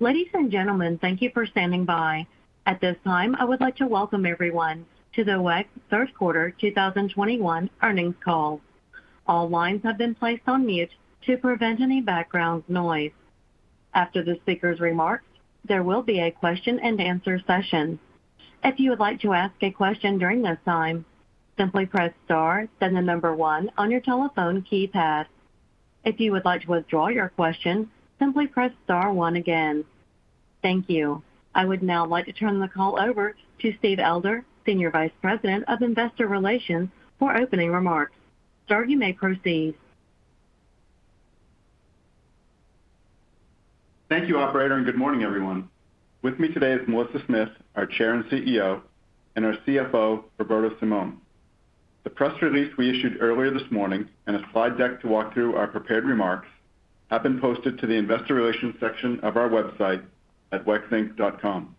Ladies and gentlemen, thank you for standing by. At this time, I would like to welcome everyone to the WEX third quarter 2021 earnings call. All lines have been placed on mute to prevent any background noise. After the speaker's remarks, there will be a question-and-answer session. If you would like to ask a question during this time, simply press star then the number one on your telephone keypad. If you would like to withdraw your question, simply press star one again. Thank you. I would now like to turn the call over to Steve Elder, Senior Vice President of Investor Relations for opening remarks. Sir, you may proceed. Thank you, operator, and good morning, everyone. With me today is Melissa Smith, our Chair and CEO, and our CFO, Roberto Simon. The press release we issued earlier this morning and a slide deck to walk through our prepared remarks have been posted to the investor relations section of our website at wexinc.com.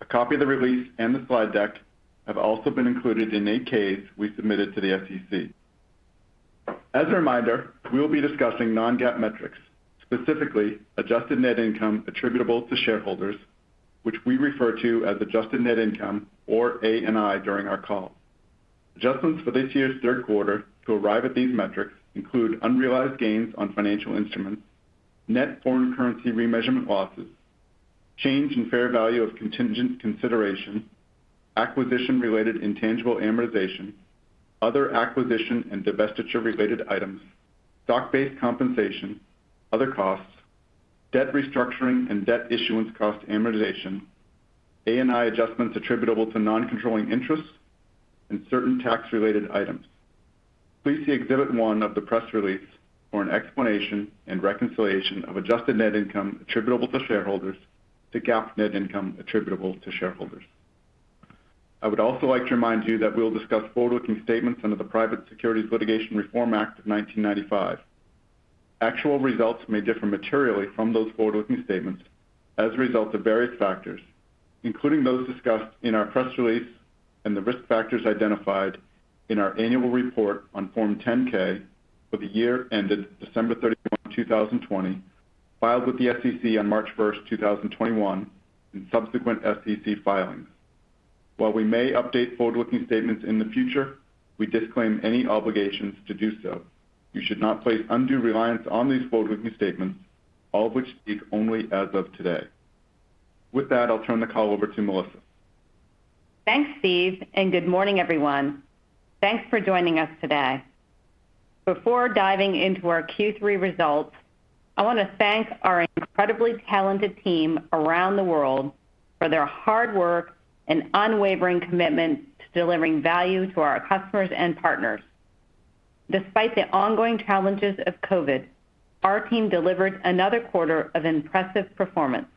A copy of the release and the slide deck have also been included in the 8-Ks we submitted to the SEC. As a reminder, we will be discussing non-GAAP metrics, specifically adjusted net income attributable to shareholders, which we refer to as adjusted net income or ANI during our call. Adjustments for this year's third quarter to arrive at these metrics include unrealized gains on financial instruments, net foreign currency remeasurement losses, change in fair value of contingent consideration, acquisition-related intangible amortization, other acquisition and divestiture-related items, stock-based compensation, other costs, debt restructuring and debt issuance cost amortization, ANI adjustments attributable to non-controlling interests, and certain tax-related items. Please see Exhibit 1 of the press release for an explanation and reconciliation of adjusted net income attributable to shareholders to GAAP net income attributable to shareholders. I would also like to remind you that we'll discuss forward-looking statements under the Private Securities Litigation Reform Act of 1995. Actual results may differ materially from those forward-looking statements as a result of various factors, including those discussed in our press release and the risk factors identified in our annual report on Form 10-K for the year ended December 31, 2020, filed with the SEC on March 1st, 2021, and subsequent SEC filings. While we may update forward-looking statements in the future, we disclaim any obligations to do so. You should not place undue reliance on these forward-looking statements, all of which speak only as of today. With that, I'll turn the call over to Melissa. Thanks, Steve, and good morning, everyone. Thanks for joining us today. Before diving into our Q3 results, I want to thank our incredibly talented team around the world for their hard work and unwavering commitment to delivering value to our customers and partners. Despite the ongoing challenges of COVID, our team delivered another quarter of impressive performance.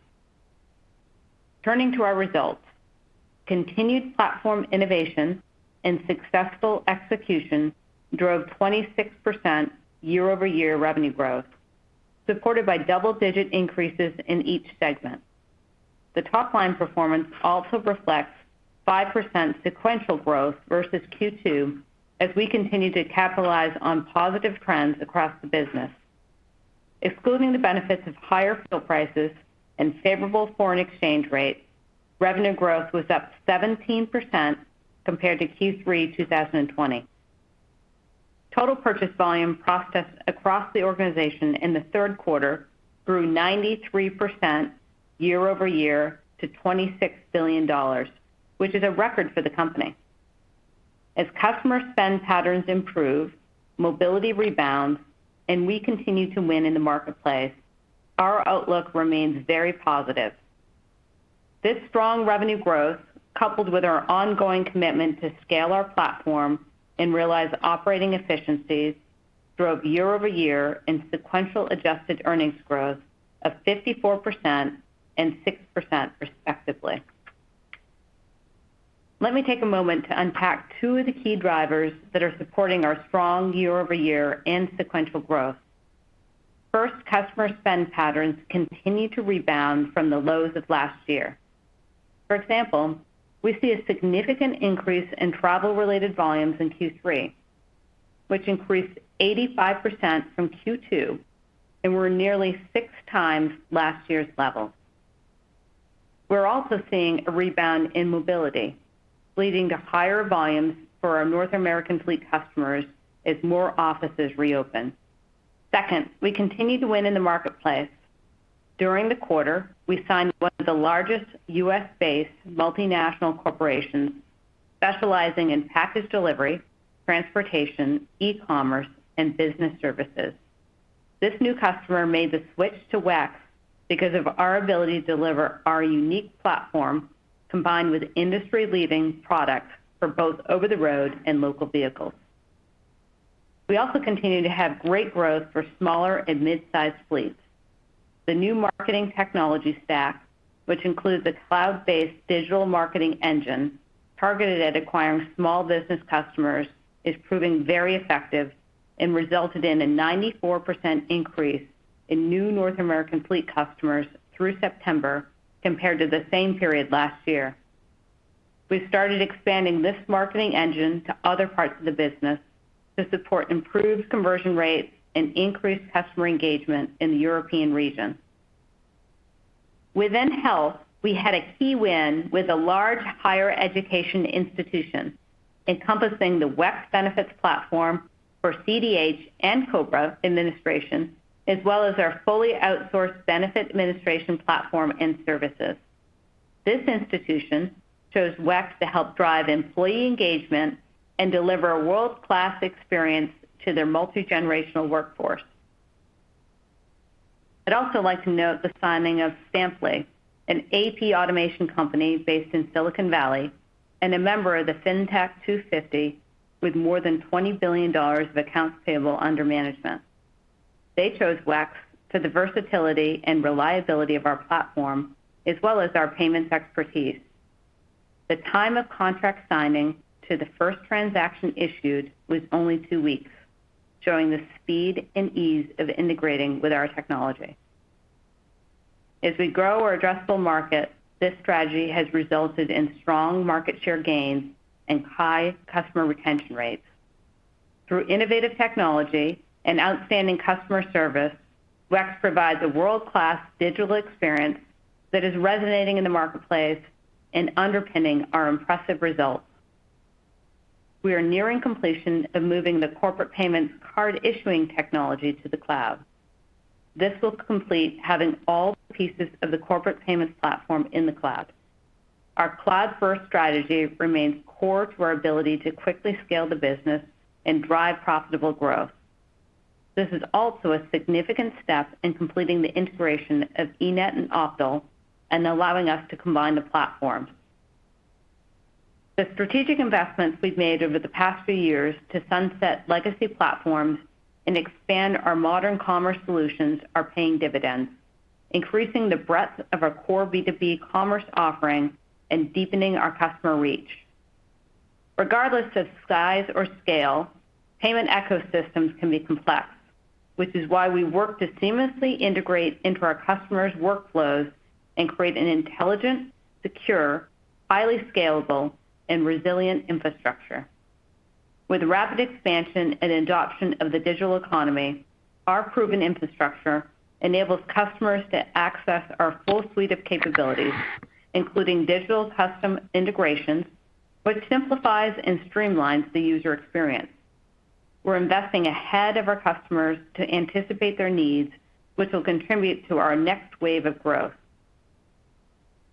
Turning to our results. Continued platform innovation and successful execution drove 26% year-over-year revenue growth, supported by double-digit increases in each segment. The top line performance also reflects 5% sequential growth versus Q2 as we continue to capitalize on positive trends across the business. Excluding the benefits of higher fuel prices and favorable foreign exchange rates, revenue growth was up 17% compared to Q3 2020. Total purchase volume processed across the organization in the third quarter grew 93% year-over-year to $26 billion, which is a record for the company. As customer spend patterns improve, mobility rebounds, and we continue to win in the marketplace, our outlook remains very positive. This strong revenue growth, coupled with our ongoing commitment to scale our platform and realize operating efficiencies, drove year-over-year and sequential adjusted earnings growth of 54% and 6% respectively. Let me take a moment to unpack two of the key drivers that are supporting our strong year-over-year and sequential growth. First, customer spend patterns continued to rebound from the lows of last year. For example, we see a significant increase in travel-related volumes in Q3, which increased 85% from Q2 and were nearly 6x last year's level. We're also seeing a rebound in mobility, leading to higher volumes for our North American Fleet customers as more offices reopen. Second, we continue to win in the marketplace. During the quarter, we signed one of the largest U.S.-based multinational corporations specializing in package delivery, transportation, e-commerce, and business services. This new customer made the switch to WEX because of our ability to deliver our unique platform combined with industry-leading products for both over-the-road and local vehicles. We also continue to have great growth for smaller and mid-sized fleets. The new marketing technology stack, which includes a cloud-based digital marketing engine targeted at acquiring small business customers, is proving very effective and resulted in a 94% increase in new North American Fleet customers through September compared to the same period last year. We started expanding this marketing engine to other parts of the business to support improved conversion rates and increase customer engagement in the European region. Within health, we had a key win with a large higher education institution encompassing the WEX benefits platform for CDH and COBRA administration, as well as our fully outsourced benefit administration platform and services. This institution chose WEX to help drive employee engagement and deliver a world-class experience to their multi-generational workforce. I'd also like to note the signing of Stampli, an AP automation company based in Silicon Valley and a member of the Fintech 250 with more than $20 billion of accounts payable under management. They chose WEX for the versatility and reliability of our platform, as well as our payments expertise. The time of contract signing to the first transaction issued was only two weeks, showing the speed and ease of integrating with our technology. As we grow our addressable market, this strategy has resulted in strong market share gains and high customer retention rates. Through innovative technology and outstanding customer service, WEX provides a world-class digital experience that is resonating in the marketplace and underpinning our impressive results. We are nearing completion of moving the Corporate payments card issuing technology to the cloud. This will complete having all pieces of the Corporate payments platform in the cloud. Our Cloud First strategy remains core to our ability to quickly scale the business and drive profitable growth. This is also a significant step in completing the integration of eNett and Optal, and allowing us to combine the platforms. The strategic investments we've made over the past few years to sunset legacy platforms and expand our modern commerce solutions are paying dividends, increasing the breadth of our core B2B commerce offering and deepening our customer reach. Regardless of size or scale, payment ecosystems can be complex, which is why we work to seamlessly integrate into our customers' workflows and create an intelligent, secure, highly scalable, and resilient infrastructure. With rapid expansion and adoption of the digital economy, our proven infrastructure enables customers to access our full suite of capabilities, including digital custom integrations, which simplifies and streamlines the user experience. We're investing ahead of our customers to anticipate their needs, which will contribute to our next wave of growth.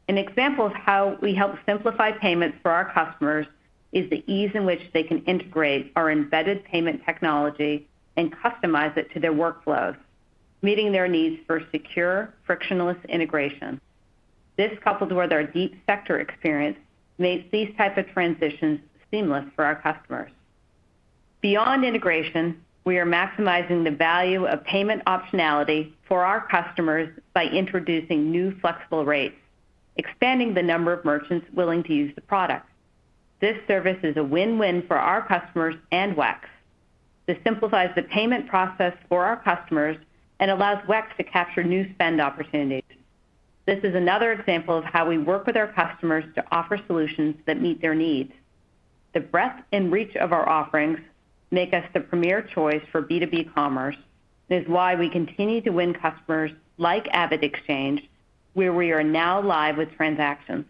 An example of how we help simplify payments for our customers is the ease in which they can integrate our embedded payment technology and customize it to their workflows, meeting their needs for secure, frictionless integration. This, coupled with our deep sector experience, makes these type of transitions seamless for our customers. Beyond integration, we are maximizing the value of payment optionality for our customers by introducing new flexible rates, expanding the number of merchants willing to use the product. This service is a win-win for our customers and WEX. This simplifies the payment process for our customers and allows WEX to capture new spend opportunities. This is another example of how we work with our customers to offer solutions that meet their needs. The breadth and reach of our offerings make us the premier choice for B2B commerce. It is why we continue to win customers like AvidXchange, where we are now live with transactions.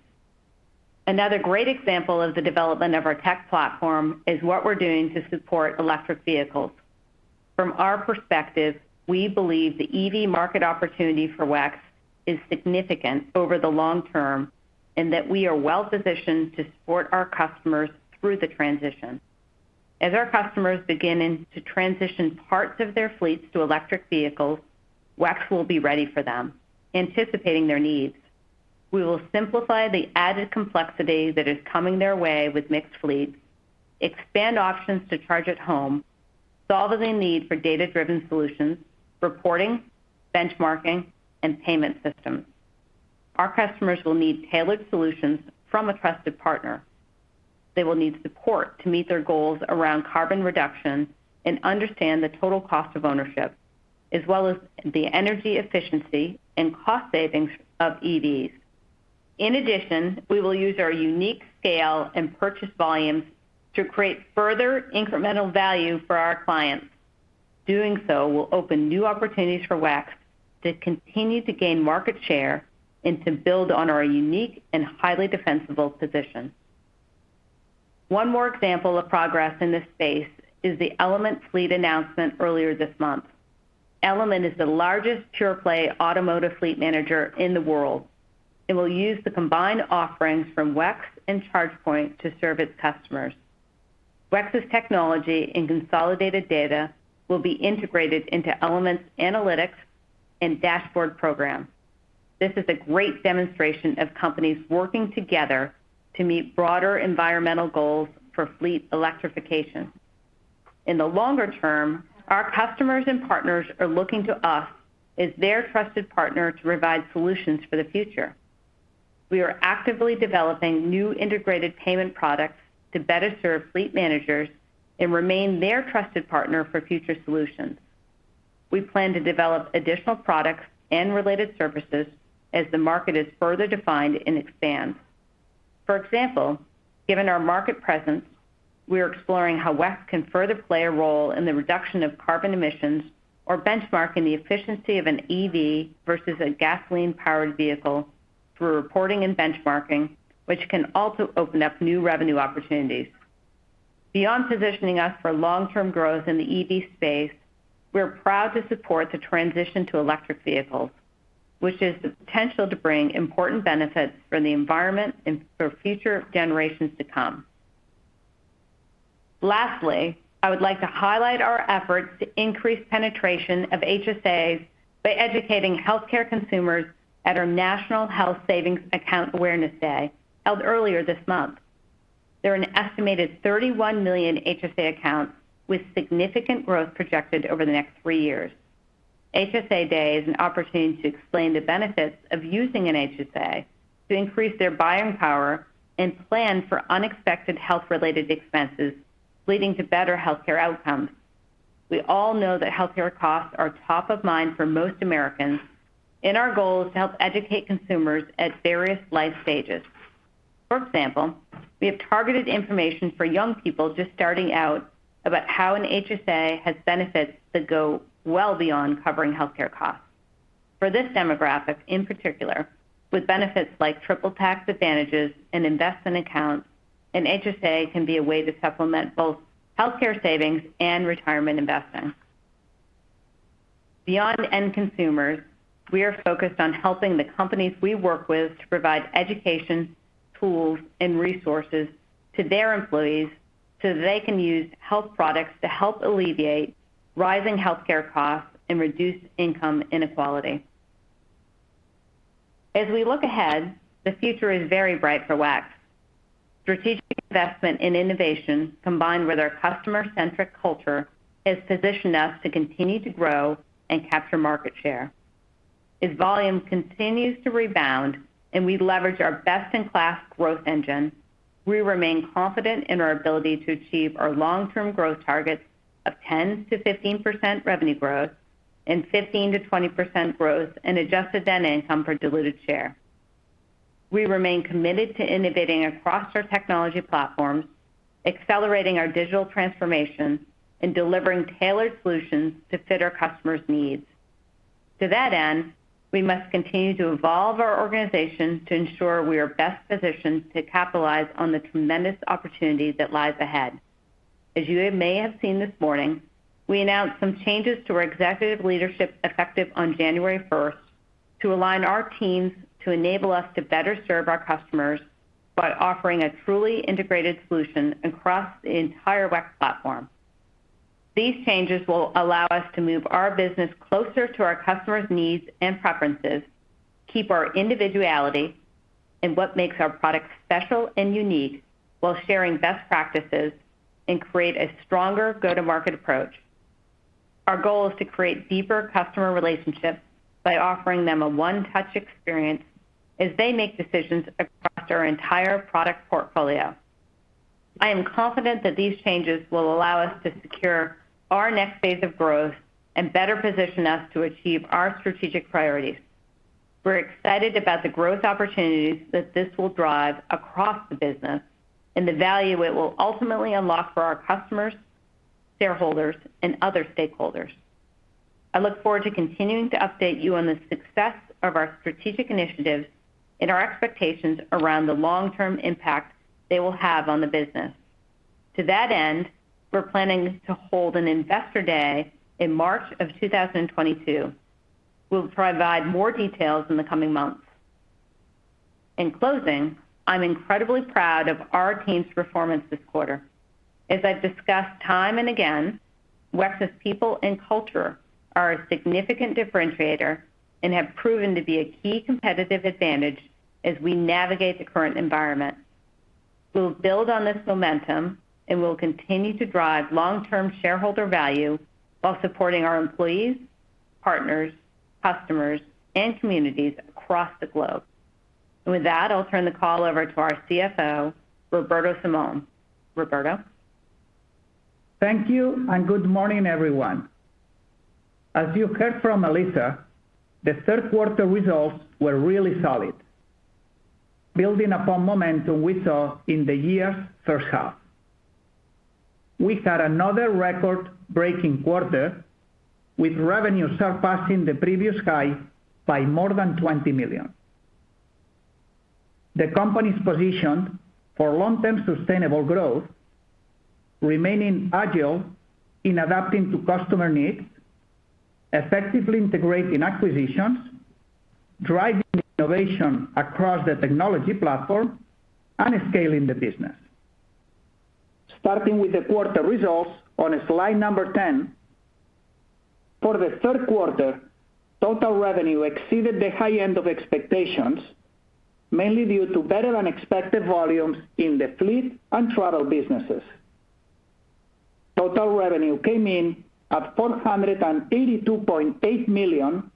Another great example of the development of our tech platform is what we're doing to support electric vehicles. From our perspective, we believe the EV market opportunity for WEX is significant over the long term, and that we are well-positioned to support our customers through the transition. As our customers begin to transition parts of their fleets to electric vehicles, WEX will be ready for them, anticipating their needs. We will simplify the added complexity that is coming their way with mixed fleets, expand options to charge at home, solve the need for data-driven solutions, reporting, benchmarking, and payment systems. Our customers will need tailored solutions from a trusted partner. They will need support to meet their goals around carbon reduction and understand the total cost of ownership, as well as the energy efficiency and cost savings of EVs. In addition, we will use our unique scale and purchase volumes to create further incremental value for our clients. Doing so will open new opportunities for WEX to continue to gain market share and to build on our unique and highly defensible position. One more example of progress in this space is the Element Fleet announcement earlier this month. Element is the largest pure-play automotive fleet manager in the world. It will use the combined offerings from WEX and ChargePoint to serve its customers. WEX's technology and consolidated data will be integrated into Element's analytics and dashboard program. This is a great demonstration of companies working together to meet broader environmental goals for Fleet Electrification. In the longer term, our customers and partners are looking to us as their trusted partner to provide solutions for the future. We are actively developing new integrated payment products to better serve fleet managers and remain their trusted partner for future solutions. We plan to develop additional products and related services as the market is further defined and expands. For example, given our market presence, we are exploring how WEX can further play a role in the reduction of carbon emissions or benchmark in the efficiency of an EV versus a gasoline-powered vehicle through reporting and benchmarking, which can also open up new revenue opportunities. Beyond positioning us for long-term growth in the EV space, we're proud to support the transition to electric vehicles, which has the potential to bring important benefits for the environment and for future generations to come. Lastly, I would like to highlight our efforts to increase penetration of HSAs by educating healthcare consumers at our National Health Savings Account Awareness Day, held earlier this month. There are an estimated 31 million HSA accounts with significant growth projected over the next three years. HSA Day is an opportunity to explain the benefits of using an HSA to increase their buying power and plan for unexpected health-related expenses, leading to better healthcare outcomes. We all know that healthcare costs are top of mind for most Americans, and our goal is to help educate consumers at various life stages. For example, we have targeted information for young people just starting out about how an HSA has benefits that go well beyond covering healthcare costs. For this demographic, in particular, with benefits like triple tax advantages and investment accounts, an HSA can be a way to supplement both healthcare savings and retirement investments. Beyond end consumers, we are focused on helping the companies we work with to provide education, tools, and resources to their employees, so they can use health products to help alleviate rising healthcare costs and reduce income inequality. As we look ahead, the future is very bright for WEX. Strategic investment in innovation combined with our customer-centric culture has positioned us to continue to grow and capture market share. As volume continues to rebound and we leveraged our best-in-class growth engine, we remain confident in our ability to achieve our long-term growth targets of 10%-15% revenue growth and 15%-20% growth in adjusted net income per diluted share. We remain committed to innovating across our technology platforms, accelerating our digital transformation, and delivering tailored solutions to fit our customers' needs. To that end, we must continue to evolve our organization to ensure we are best positioned to capitalize on the tremendous opportunity that lies ahead. As you may have seen this morning, we announced some changes to our executive leadership effective on January 1st to align our teams to enable us to better serve our customers by offering a truly integrated solution across the entire WEX platform. These changes will allow us to move our business closer to our customers' needs and preferences, keep our individuality and what makes our products special and unique while sharing best practices, and create a stronger go-to-market approach. Our goal is to create deeper customer relationships by offering them a one-touch experience as they make decisions across our entire product portfolio. I am confident that these changes will allow us to secure our next phase of growth and better position us to achieve our strategic priorities. We're excited about the growth opportunities that this will drive across the business and the value it will ultimately unlock for our customers, shareholders, and other stakeholders. I look forward to continuing to update you on the success of our strategic initiatives and our expectations around the long-term impact they will have on the business. To that end, we're planning to hold an Investor Day in March of 2022. We'll provide more details in the coming months. In closing, I'm incredibly proud of our team's performance this quarter. As I've discussed time and again, WEX's people and culture are a significant differentiator and have proven to be a key competitive advantage as we navigate the current environment. We'll build on this momentum, and we'll continue to drive long-term shareholder value while supporting our employees, partners, customers, and communities across the globe. With that, I'll turn the call over to our CFO, Roberto Simon, Roberto? Thank you and good morning, everyone. As you heard from Melissa, the third quarter results were really solid, building upon momentum we saw in the year's first half. We had another record-breaking quarter with revenue surpassing the previous high by more than $20 million. The company's positioned for long-term sustainable growth, remaining agile in adapting to customer needs, effectively integrating acquisitions, driving innovation across the technology platform, and scaling the business. Starting with the quarter results on slide number 10. For the third quarter, total revenue exceeded the high end of expectations, mainly due to better-than-expected volumes in the fleet and travel businesses. Total revenue came in at $482.8 million,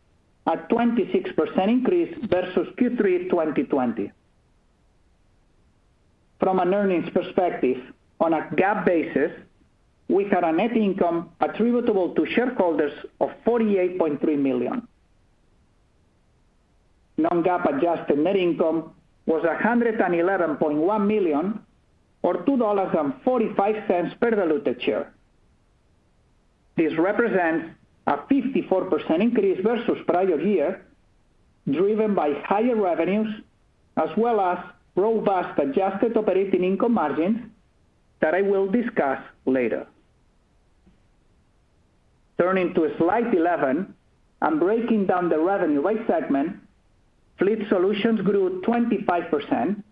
a 26% increase versus Q3 2020. From an earnings perspective, on a GAAP basis, we had a net income attributable to shareholders of $48.3 million. Non-GAAP adjusted net income was $111.1 million or $2.45 per diluted share. This represents a 54% increase versus prior year, driven by higher revenues as well as robust adjusted operating income margins that I will discuss later. Turning to slide 11 and breaking down the revenue by segment. Fleet Solutions grew 25%.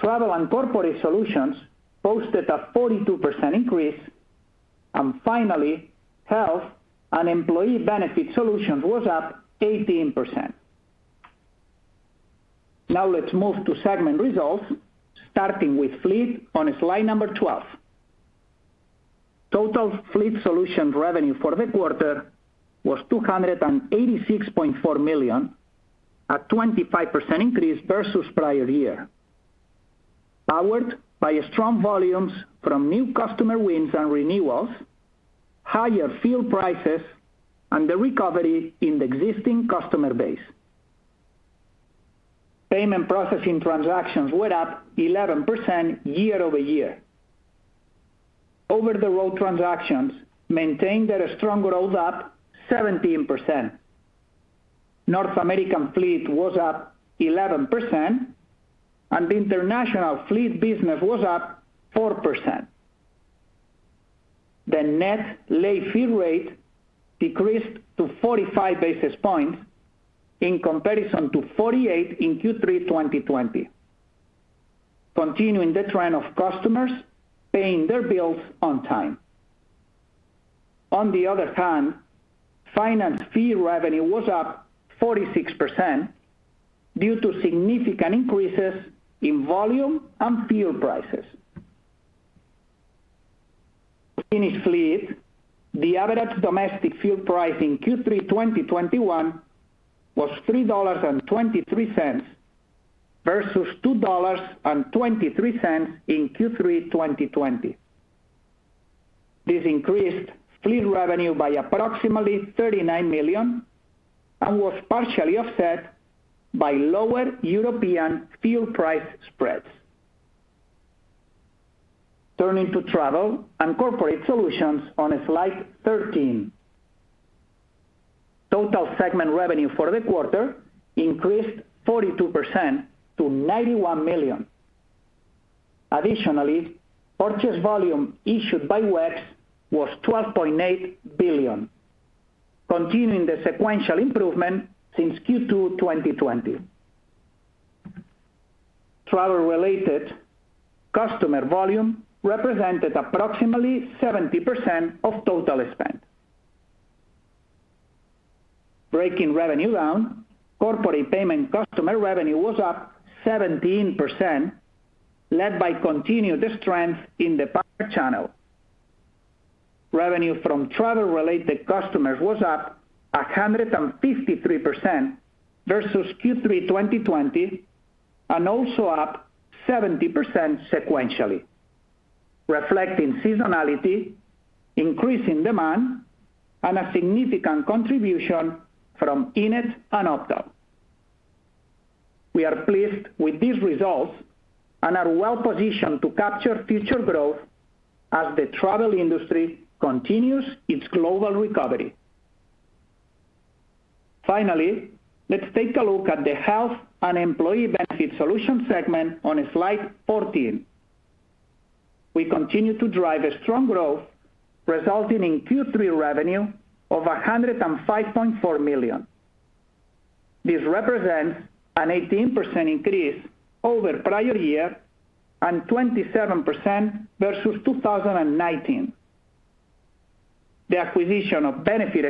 Travel and Corporate Solutions posted a 42% increase. Finally, Health and Employee Benefit Solutions was up 18%. Now let's move to segment results, starting with Fleet on slide 12. Total Fleet Solutions revenue for the quarter was $286.4 million, a 25% increase versus prior year, powered by strong volumes from new customer wins and renewals, higher fuel prices, and the recovery in the existing customer base. Payment processing transactions were up 11% year-over-year. Over-the-road transactions maintained their strong growth up 17%. North American Fleet was up 11%, and the International Fleet business was up 4%. The net late fee rate decreased to 45 basis points in comparison to 48 in Q3 2020, continuing the trend of customers paying their bills on time. On the other hand, finance fee revenue was up 46% due to significant increases in volume and fuel prices. In Fleet, the average domestic fuel price in Q3 2021 was $3.23 versus $2.23 in Q3 2020. This increased fleet revenue by approximately $39 million and was partially offset by lower European fuel price spreads. Turning to Travel and Corporate Solutions on slide 13. Total segment revenue for the quarter increased 42% to $91 million. Additionally, purchase volume issued by WEX was $12.8 billion, continuing the sequential improvement since Q2 2020. Travel-related customer volume represented approximately 70% of total spend. Breaking revenue down, corporate payment customer revenue was up 17%, led by continued strength in the partner channel. Revenue from travel-related customers was up 153% versus Q3 2020 and also up 70% sequentially, reflecting seasonality, increasing demand, and a significant contribution from eNett and Optal. We are pleased with these results and are well-positioned to capture future growth as the travel industry continues its global recovery. Finally, let's take a look at the Health and Employee Benefit Solutions segment on slide 14. We continue to drive a strong growth resulting in Q3 revenue of $105.4 million. This represents an 18% increase over prior year and 27% versus 2019. The acquisition of Benefit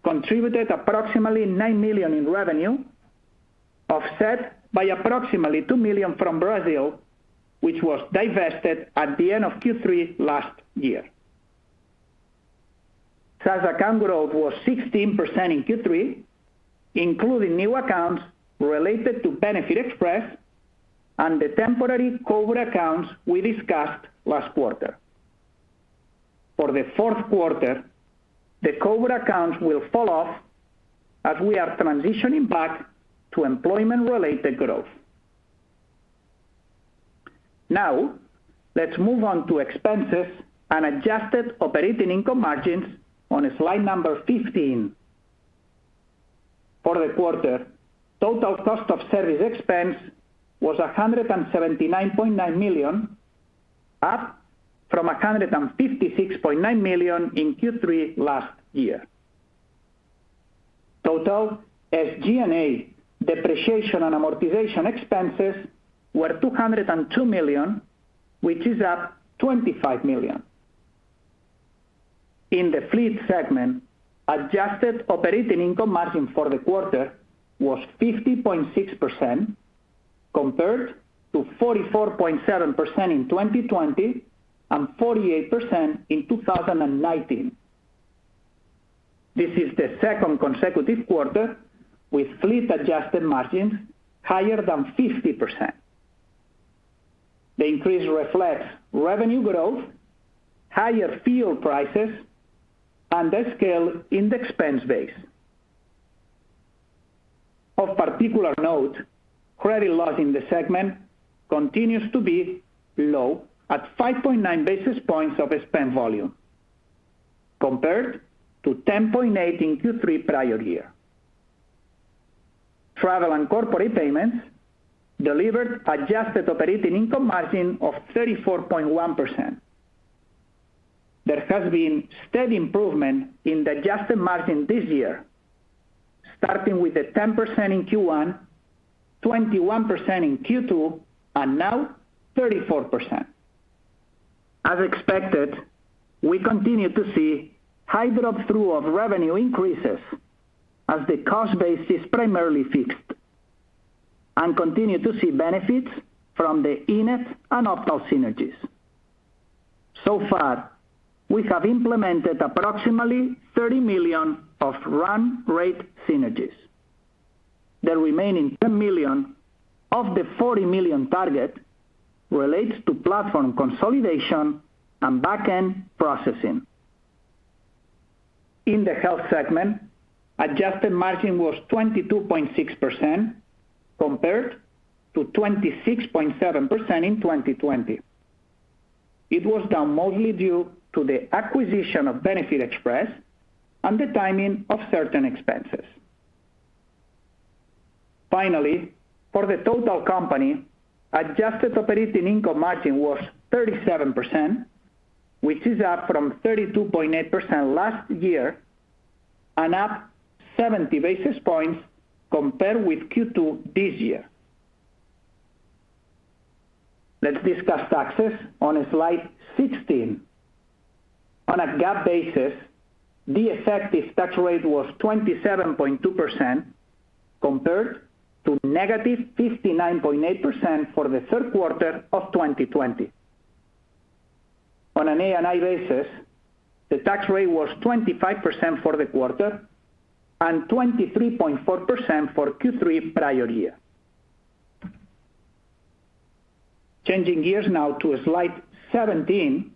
Express contributed approximately $9 million in revenue, offset by approximately $2 million from Brazil, which was divested at the end of Q3 last year. SaaS account growth was 16% in Q3, including new accounts related to Benefit Express and the temporary COVID accounts we discussed last quarter. For the fourth quarter, the COVID accounts will fall off as we are transitioning back to employment-related growth. Now, let's move on to expenses and adjusted operating income margins on slide number 15. For the quarter, total cost of service expense was $179.9 million, up from $156.9 million in Q3 last year. Total SG&A depreciation and amortization expenses were $202 million, which is up $25 million. In the Fleet segment, adjusted operating income margin for the quarter was 50.6% compared to 44.7% in 2020 and 48% in 2019. This is the second consecutive quarter with fleet-adjusted margins higher than 50%. The increase reflects revenue growth, higher fuel prices, and the scale in the expense base. Of particular note, credit loss in the segment continues to be low at 5.9 basis points of spend volume compared to 10.8 in Q3 prior year. Travel and Corporate payments delivered adjusted operating income margin of 34.1%. There has been steady improvement in the adjusted margin this year, starting with the 10% in Q1, 21% in Q2, and now 34%. As expected, we continue to see high drop-through of revenue increases as the cost base is primarily fixed and continue to see benefits from the eNett and Optal synergies. So far, we have implemented approximately $30 million of run rate synergies. The remaining $10 million of the $40 million target relates to platform consolidation and back-end processing. In the Health segment, adjusted margin was 22.6% compared to 26.7% in 2020. It was down mostly due to the acquisition of Benefit Express and the timing of certain expenses. Finally, for the total company, adjusted operating income margin was 37%, which is up from 32.8% last year and up 70 basis points compared with Q2 this year. Let's discuss taxes on slide 16. On a GAAP basis, the effective tax rate was 27.2% compared to -59.8% for Q3 2020. On an ANI basis, the tax rate was 25% for the quarter and 23.4% for Q3 prior year. Changing gears now to slide 17,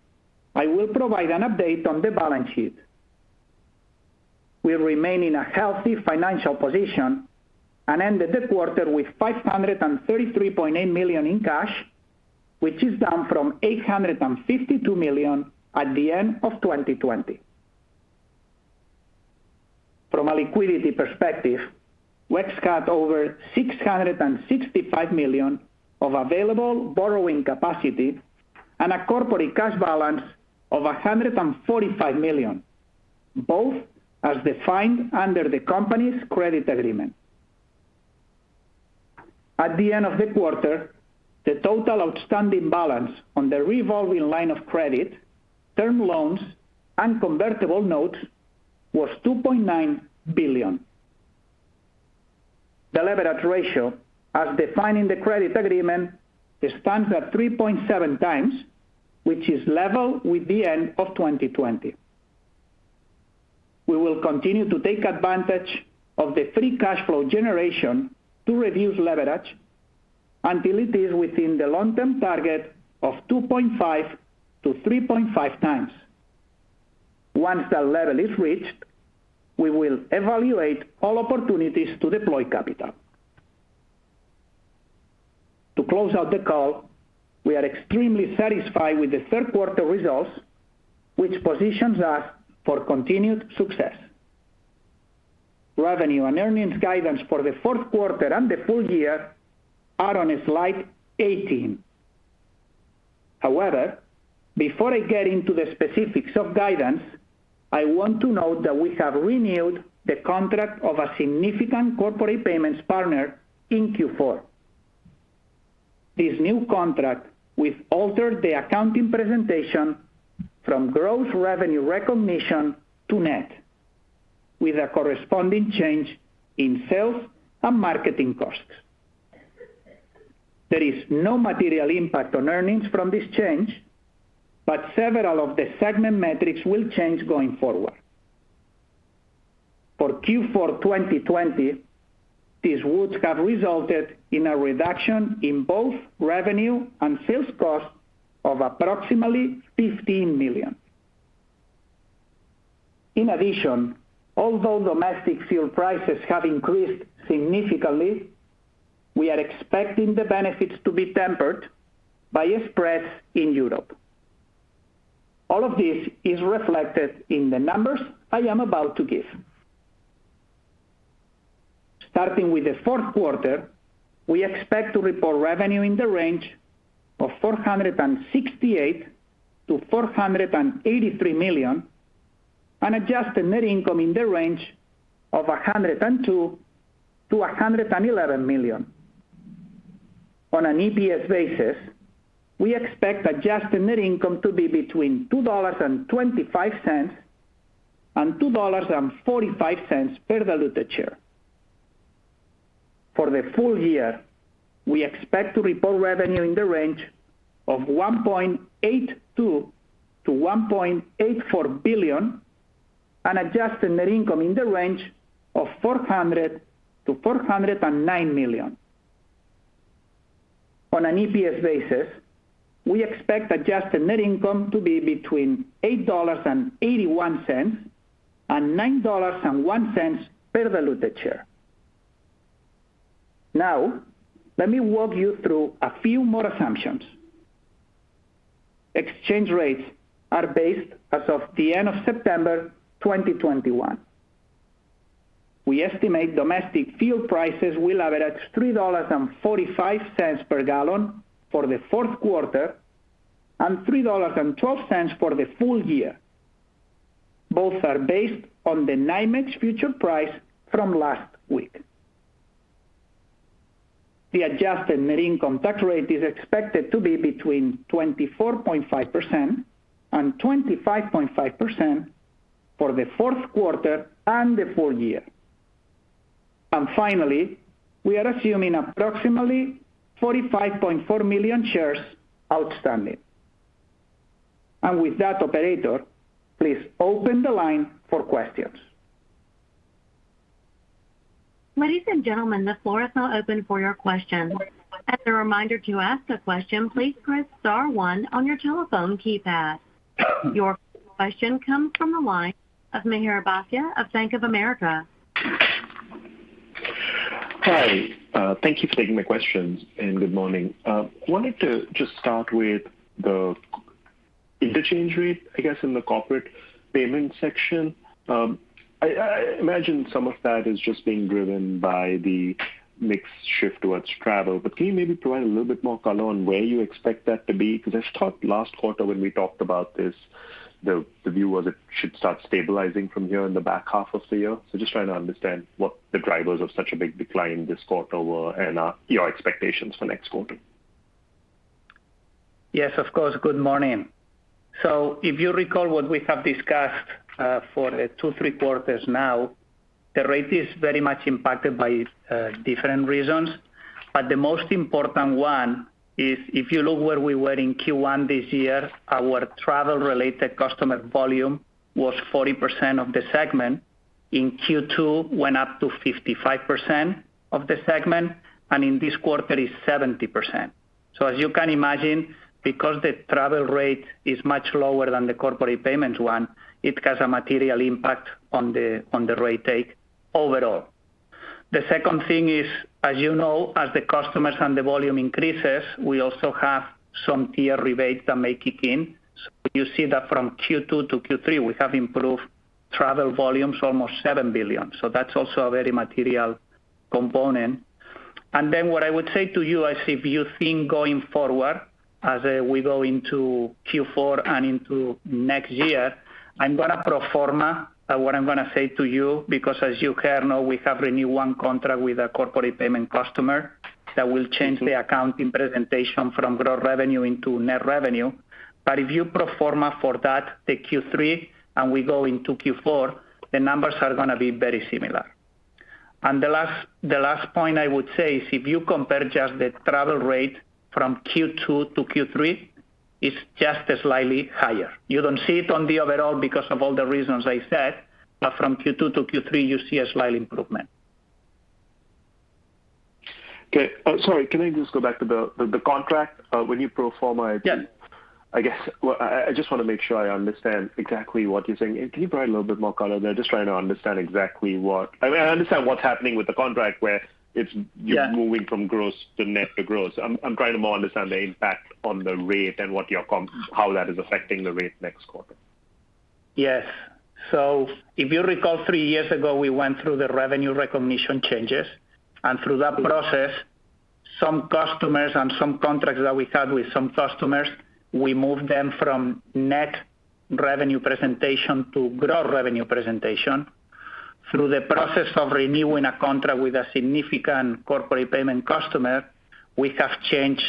I will provide an update on the balance sheet. We remain in a healthy financial position and ended the quarter with $533.8 million in cash, which is down from $852 million at the end of 2020. From a liquidity perspective, we've got over $665 million of available borrowing capacity and a corporate cash balance of $145 million, both as defined under the company's credit agreement. At the end of the quarter, the total outstanding balance on the revolving line of credit, term loans, and convertible notes was $2.9 billion. The leverage ratio as defined in the credit agreement stands at 3.7x, which is level with the end of 2020. We will continue to take advantage of the free cash flow generation to reduce leverage until it is within the long-term target of 2.5-3.5x. Once that level is reached, we will evaluate all opportunities to deploy capital. To close out the call, we are extremely satisfied with the third quarter results, which positions us for continued success. Revenue and earnings guidance for the fourth quarter and the full year are on slide 18. However, before I get into the specifics of guidance, I want to note that we have renewed the contract of a significant Corporate payments partner in Q4. This new contract will alter the accounting presentation from gross revenue recognition to net with a corresponding change in sales and marketing costs. There is no material impact on earnings from this change, but several of the segment metrics will change going forward. For Q4 2020, these would have resulted in a reduction in both revenue and sales costs of approximately $15 million. In addition, although domestic fuel prices have increased significantly, we are expecting the benefits to be tempered by spreads in Europe. All of this is reflected in the numbers I am about to give. Starting with the fourth quarter, we expect to report revenue in the range of $468-$483 million and adjusted net income in the range of $102-$111 million. On an EPS basis, we expect adjusted net income to be between $2.25 and $2.45 per diluted share. For the full year, we expect to report revenue in the range of $1.82-$1.84 billion, and adjusted net income in the range of $400-$409 million. On an EPS basis, we expect adjusted net income to be between $8.81 and $9.01 per diluted share. Now, let me walk you through a few more assumptions. Exchange rates are based as of the end of September 2021. We estimate domestic fuel prices will average $3.45 per gallon for the fourth quarter, and $3.12 for the full year. Both are based on the NYMEX futures price from last week. The adjusted net income tax rate is expected to be between 24.5% and 25.5% for the fourth quarter and the full year. Finally, we are assuming approximately 45.4 million shares outstanding. With that, operator, please open the line for questions. Ladies and gentlemen, the floor is now open for your questions. As a reminder, to ask a question, please press star one on your telephone keypad. Your first question comes from the line of Mihir Bhatia of Bank of America. Hi, thank you for taking my questions, and good morning. I wanted to just start with the interchange rate, I guess, in the Corporate payment section. I imagine some of that is just being driven by the mix shift towards travel, but can you maybe provide a little bit more color on where you expect that to be? 'Cause I thought last quarter when we talked about this, the view was it should start stabilizing from here in the back half of the year. Just trying to understand what the drivers of such a big decline this quarter were and your expectations for next quarter. Yes, of course good morning. If you recall what we have discussed for two, three quarters now, the rate is very much impacted by different reasons, but the most important one is if you look where we were in Q1 this year, our travel-related customer volume was 40% of the segment. In Q2, went up to 55% of the segment, and in this quarter is 70%. As you can imagine, because the travel rate is much lower than the corporate payments one, it has a material impact on the rate take overall. The second thing is, as you know, as the customers and the volume increases, we also have some tier rebates that may kick in. You see that from Q2 to Q3, we have improved travel volumes almost $7 billion. That's also a very material component. What I would say to you is if you think going forward, as we go into Q4 and into next year, I'm gonna pro forma what I'm gonna say to you because as you know, we have renewed one contract with a corporate payment customer that will change the accounting presentation from gross revenue into net revenue. If you pro forma for that, the Q3, and we go into Q4, the numbers are gonna be very similar. The last point I would say is if you compare just the travel rate from Q2 to Q3, it's just slightly higher. You don't see it on the overall because of all the reasons I said, but from Q2 to Q3, you see a slight improvement. Okay. Sorry, can I just go back to the contract? When your pro forma. Yeah. I guess, well, I just wanna make sure I understand exactly what you're saying. Can you provide a little bit more color there? Just trying to understand exactly what, I mean, I understand what's happening with the contract where it's. Yeah. You're moving from gross to net to gross. I'm trying to understand more the impact on the rate and how that is affecting the rate next quarter. Yes. If you recall three years ago, we went through the revenue recognition changes, and through that process, some customers and some contracts that we had with some customers, we moved them from net revenue presentation to gross revenue presentation. Through the process of renewing a contract with a significant corporate payment customer, we have changed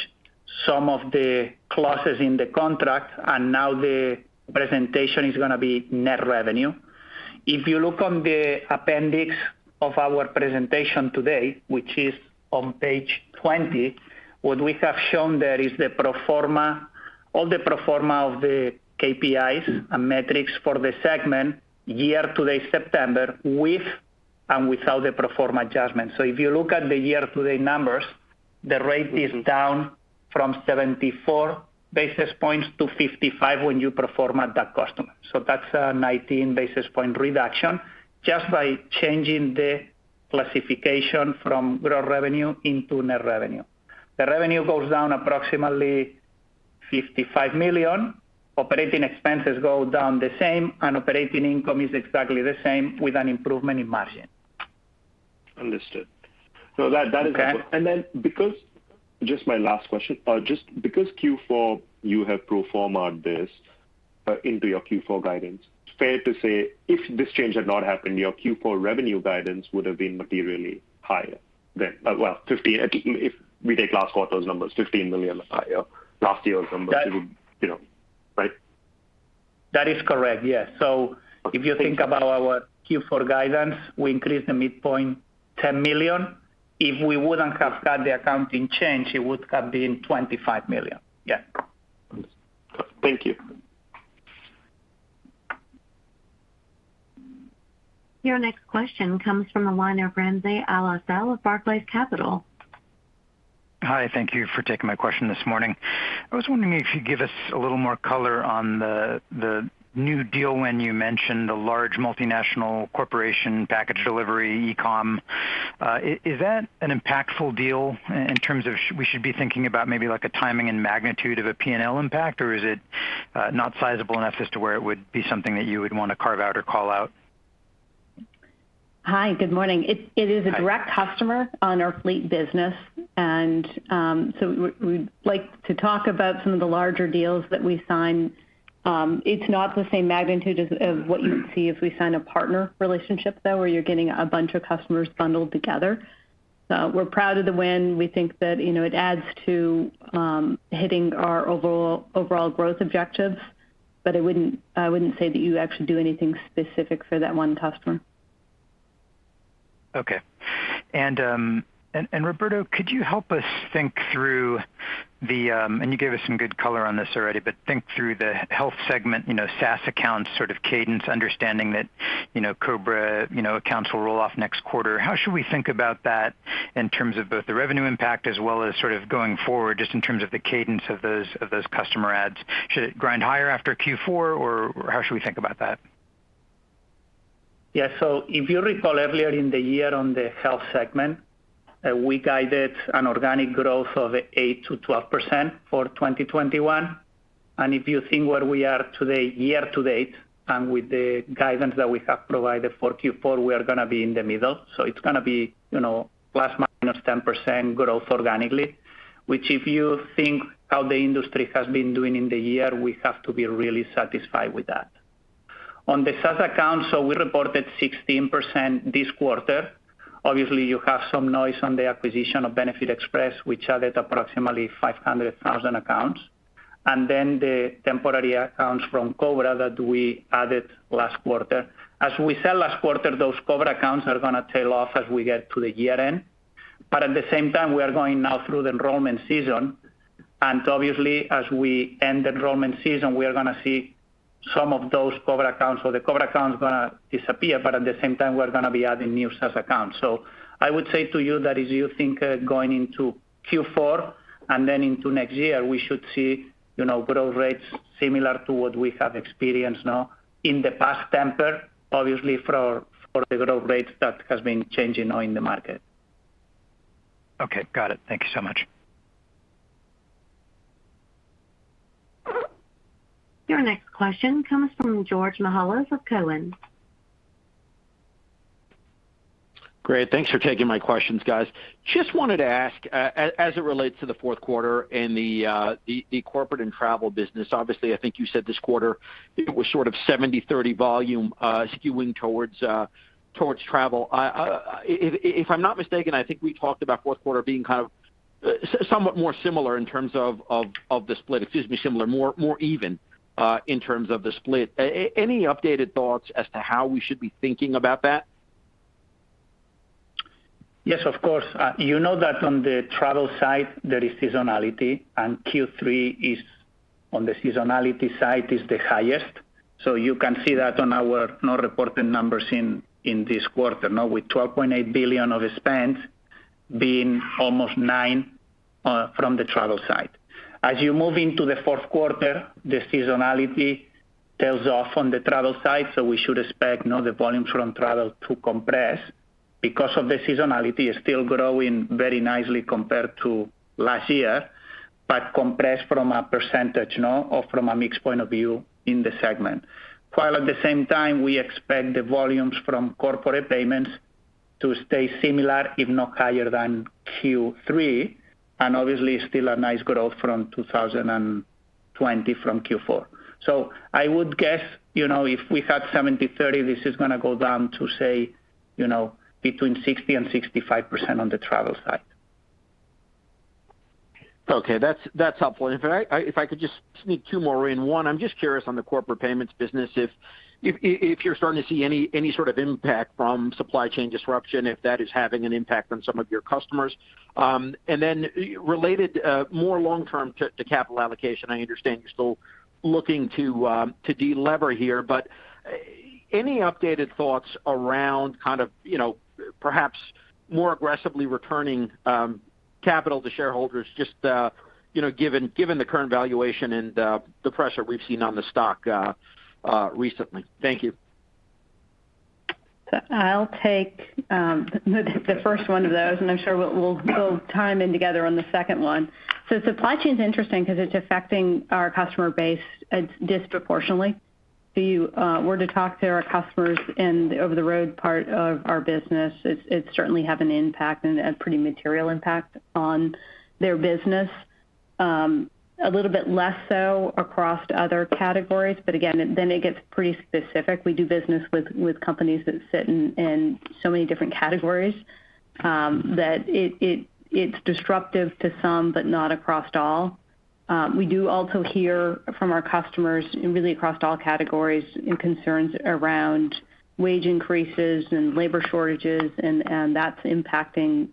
some of the clauses in the contract, and now the presentation is gonna be net revenue. If you look on the appendix of our presentation today, which is on page 20, what we have shown there is the pro forma, all the pro forma of the KPIs and metrics for the segment year-to-date September with and without the pro forma adjustment. If you look at the year-to-date numbers, the rate is down from 74 basis points to 55 when you pro forma that customer. That's a 19 basis points reduction just by changing the classification from gross revenue into net revenue. The revenue goes down approximately $55 million. Operating expenses go down the same, and operating income is exactly the same with an improvement in margin. Understood, that is, and then because. Okay. Just my last question. Just because Q4 you have pro forma'd this into your Q4 guidance, fair to say if this change had not happened, your Q4 revenue guidance would have been materially higher. If we take last quarter's numbers, $15 million higher, last year's numbers. That- It would, you know. Right? That is correct, yes. If you think about our Q4 guidance, we increased the midpoint $10 million. If we wouldn't have had the accounting change, it would have been $25 million. Yeah. Thank you. Your next question comes from the line of Ramsey El-Assal of Barclays Capital. Hi, thank you for taking my question this morning. I was wondering if you could give us a little more color on the new deal when you mentioned the large multinational corporation package delivery e-com. Is that an impactful deal in terms of should we be thinking about maybe like a timing and magnitude of a P&L impact? Or is it not sizable enough as to where it would be something that you would want to carve out or call out? Hi, good morning. It is a direct customer on our fleet business and so we'd like to talk about some of the larger deals that we sign. It's not the same magnitude as what you would see if we sign a partner relationship though, where you're getting a bunch of customers bundled together. We're proud of the win. We think that you know it adds to hitting our overall growth objectives. I wouldn't say that you actually do anything specific for that one customer. Okay, and Roberto, could you help us think through the Health segment? You know, SaaS accounts sort of cadence, understanding that, you know, COBRA accounts will roll off next quarter. How should we think about that in terms of both the revenue impact as well as sort of going forward, just in terms of the cadence of those customer adds? Should it grind higher after Q4 or how should we think about that? Yeah. If you recall earlier in the year on the Health segment, we guided an organic growth of 8%-12% for 2021. If you think where we are today, year-to-date, and with the guidance that we have provided for Q4, we are gonna be in the middle. It's gonna be, you know, ±10% growth organically, which if you think how the industry has been doing in the year, we have to be really satisfied with that. On the SaaS accounts, we reported 16% this quarter. Obviously, you have some noise on the acquisition of Benefit Express, which added approximately 500,000 accounts, and then the temporary accounts from COBRA that we added last quarter. As we said last quarter, those COBRA accounts are gonna tail off as we get to the year-end. At the same time, we are going now through the enrollment season. Obviously, as we end the enrollment season, we are gonna see some of those COBRA accounts gonna disappear, but at the same time, we're gonna be adding new SaaS accounts. I would say to you that as you think going into Q4 and then into next year, we should see, you know, growth rates similar to what we have experienced now in the past year, obviously for the growth rates that has been changing now in the market. Okay, got it. Thank you so much. Your next question comes from George Mihalos of Cowen. Great, thanks for taking my questions, guys. Just wanted to ask, as it relates to the fourth quarter and the corporate and travel business, obviously, I think you said this quarter it was sort of 70/30 volume, skewing towards travel. If I'm not mistaken, I think we talked about fourth quarter being kind of somewhat more similar in terms of the split. Excuse me, similar, more even, in terms of the split. Any updated thoughts as to how we should be thinking about that? Yes, of course. You know that on the travel side, there is seasonality, and Q3 is, on the seasonality side, the highest. So you can see that on our non-reported numbers in this quarter. Now with $12.8 billion of spend being almost $9 billion from the travel side. As you move into the fourth quarter, the seasonality tails off on the travel side, so we should expect now the volumes from travel to compress. Because of the seasonality, it's still growing very nicely compared to last year, but compressed from a percentage, you know, or from a mix point of view in the segment. While at the same time, we expect the volumes from corporate payments to stay similar, if not higher than Q3, and obviously still a nice growth from 2020 from Q4. I would guess, you know, if we had 70/30, this is gonna go down to say, you know, between 60% and 65% on the travel side. Okay, that's helpful. If I could just sneak two more in. One, I'm just curious on the corporate payments business, if you're starting to see any sort of impact from supply chain disruption, if that is having an impact on some of your customers. Then related, more long term to capital allocation. I understand you're still looking to delever here, but any updated thoughts around kind of, you know, perhaps more aggressively returning capital to shareholders just, you know, given the current valuation and the pressure we've seen on the stock recently? Thank you. I'll take the first one of those, and I'm sure we'll go through it together on the second one. Supply chain is interesting because it's affecting our customer base disproportionately. If you were to talk to our customers in the over-the-road part of our business, it's certainly have an impact and a pretty material impact on their business. A little bit less so across other categories, but again, then it gets pretty specific. We do business with companies that sit in so many different categories that it's disruptive to some, but not across all. We also hear from our customers really across all categories concerns around wage increases and labor shortages and that's impacting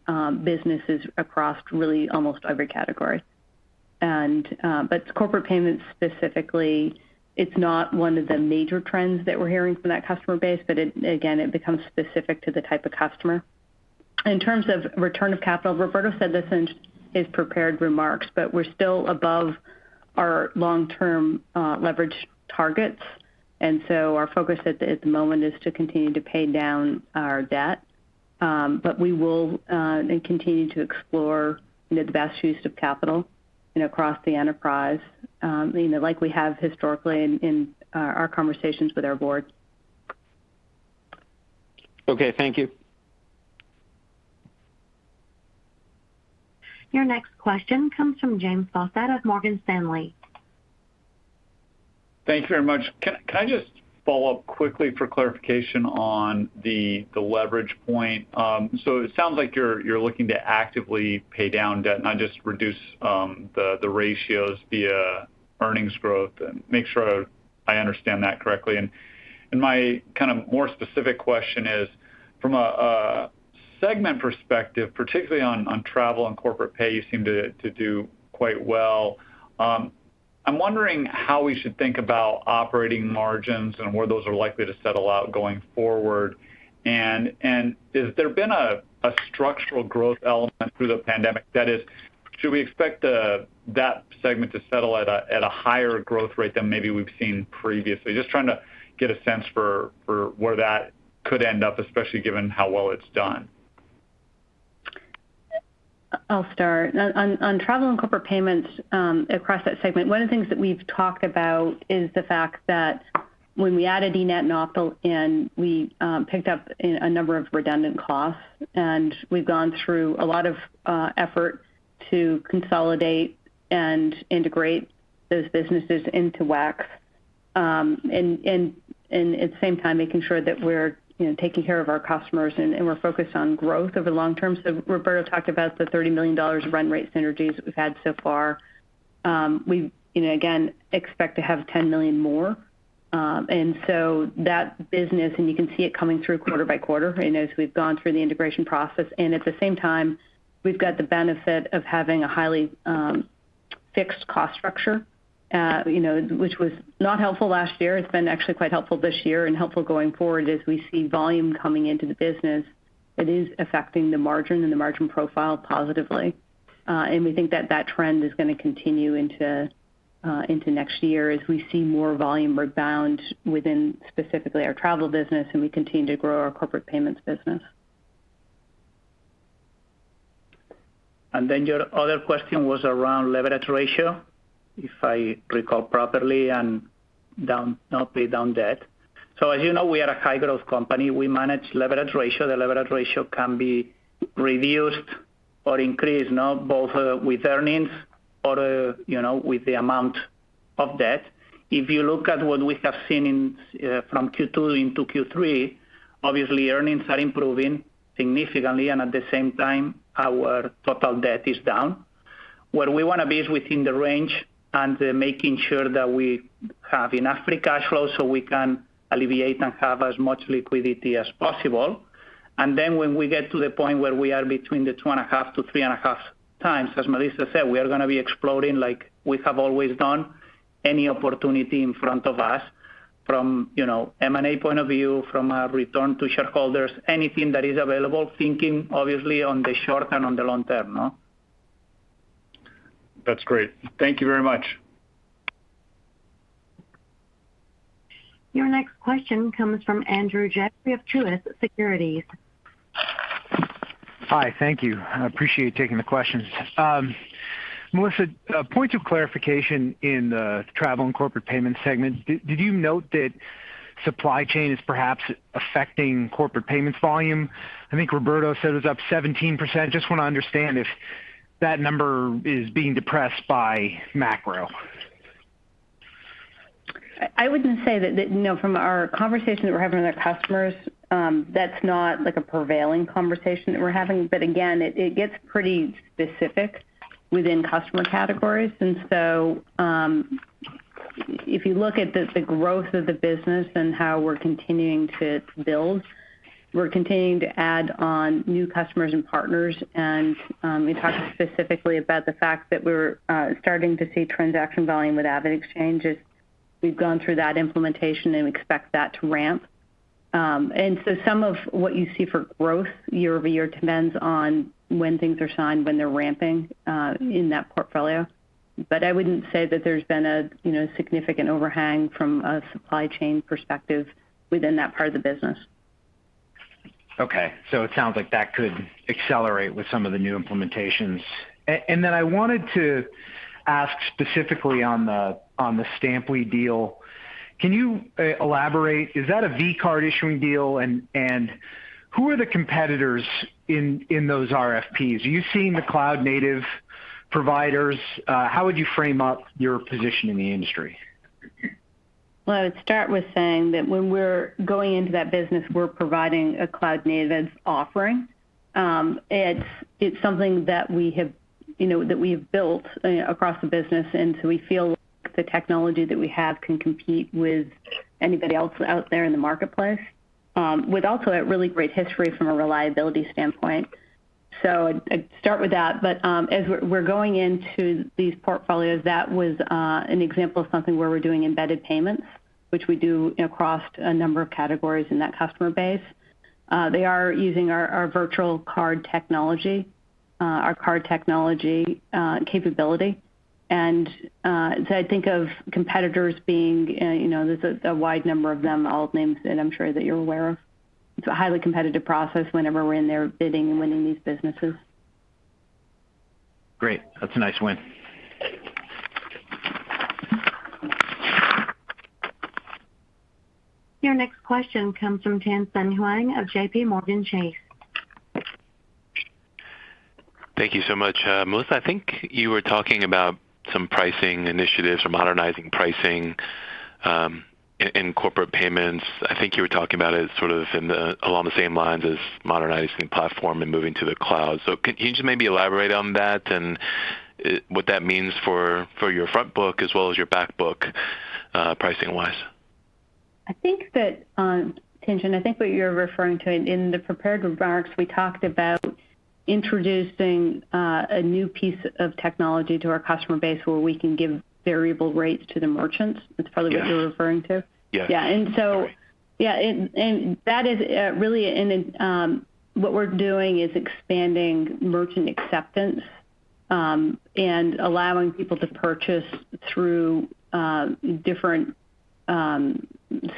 businesses across really almost every category. Corporate payments specifically, it's not one of the major trends that we're hearing from that customer base, but it again, it becomes specific to the type of customer. In terms of return of capital, Roberto said this in his prepared remarks, but we're still above our long-term leverage targets. Our focus at the moment is to continue to pay down our debt. We will and continue to explore, you know, the best use of capital, you know, across the enterprise, you know, like we have historically in our conversations with our board. Okay, thank you. Your next question comes from James Faucette of Morgan Stanley. Thank you very much. Can I just follow up quickly for clarification on the leverage point? So it sounds like you're looking to actively pay down debt, not just reduce the ratios via earnings growth. Make sure I understand that correctly. My kind of more specific question is from a segment perspective, particularly on Travel and Corporate Solutions, you seem to do quite well. I'm wondering how we should think about operating margins and where those are likely to settle out going forward. Has there been a structural growth element through the pandemic? That is, should we expect that segment to settle at a higher growth rate than maybe we've seen previously? Just trying to get a sense for where that could end up, especially given how well it's done. I'll start. On Travel and Corporate payments, across that segment, one of the things that we've talked about is the fact that when we added eNett and Optal in, we picked up a number of redundant costs, and we've gone through a lot of effort to consolidate and integrate those businesses into WEX. At the same time, making sure that we're, you know, taking care of our customers and we're focused on growth over the long term. Roberto talked about the $30 million run rate synergies that we've had so far. We, you know, again, expect to have $10 million more. That business and you can see it coming through quarter by quarter, you know, as we've gone through the integration process. At the same time, we've got the benefit of having a highly fixed cost structure, you know, which was not helpful last year. It's been actually quite helpful this year and helpful going forward as we see volume coming into the business that is affecting the margin and the margin profile positively. We think that trend is gonna continue into next year as we see more volume rebound within specifically our travel business and we continue to grow our corporate payments business. Your other question was around leverage ratio, if I recall properly, and not pay down debt. As you know, we are a high growth company. We manage leverage ratio. The leverage ratio can be reduced or increased, you know, both with earnings or, you know, with the amount of debt. If you look at what we have seen in from Q2 into Q3, obviously earnings are improving significantly and at the same time, our total debt is down. Where we wanna be is within the range and making sure that we have enough free cash flow so we can allocate and have as much liquidity as possible. Then when we get to the point where we are between 2.5-3.5x, as Melissa said, we are gonna be exploring, like we have always done, any opportunity in front of us from, you know, M&A point of view, from a return to shareholders, anything that is available, thinking obviously on the short and on the long term, no? That's great. Thank you very much. Your next question comes from Andrew Jeffrey of Truist Securities. Hi, thank you. I appreciate taking the questions. Melissa, a point of clarification in the Travel and Corporate payment segment. Did you note that supply chain is perhaps affecting corporate payments volume? I think Roberto said it's up 17%. Just wanna understand if that number is being depressed by macro. I wouldn't say that. You know, from our conversations we're having with our customers, that's not like a prevailing conversation that we're having. Again, it gets pretty specific within customer categories. If you look at the growth of the business and how we're continuing to build, we're continuing to add on new customers and partners. We talked specifically about the fact that we're starting to see transaction volume with AvidXchange as we've gone through that implementation and expect that to ramp. Some of what you see for growth year-over-year depends on when things are signed, when they're ramping in that portfolio. I wouldn't say that there's been a you know, significant overhang from a supply chain perspective within that part of the business. Okay. It sounds like that could accelerate with some of the new implementations. I wanted to ask specifically on the Stampli deal. Can you elaborate? Is that a virtual card issuing deal? Who are the competitors in those RFPs? Are you seeing the cloud native providers? How would you frame up your position in the industry? Well, I would start with saying that when we're going into that business, we're providing a cloud-native offering. It's something that we have, you know, that we've built across the business, and we feel the technology that we have can compete with anybody else out there in the marketplace, with also a really great history from a reliability standpoint. I'd start with that. As we're going into these portfolios, that was an example of something where we're doing embedded payments, which we do across a number of categories in that customer base. They are using our virtual card technology capability. I think of competitors being, you know, there's a wide number of them, all names that I'm sure that you're aware of. It's a highly competitive process whenever we're in there bidding and winning these businesses. Great, that's a nice win. Your next question comes from Tien-Tsin Huang of J.P. Morgan Chase. Thank you so much. Melissa, I think you were talking about some pricing initiatives or modernizing pricing, in corporate payments. I think you were talking about it sort of along the same lines as modernizing platform and moving to the cloud. Can you just maybe elaborate on that and what that means for your front book as well as your back-book, pricing-wise? I think that, Tien-Tsin, I think what you're referring to in the prepared remarks, we talked about introducing a new piece of technology to our customer base where we can give variable rates to the merchants. That's probably what. Yes. You're referring to. Yes. Yeah. Sorry. What we're doing is expanding merchant acceptance, and allowing people to purchase through different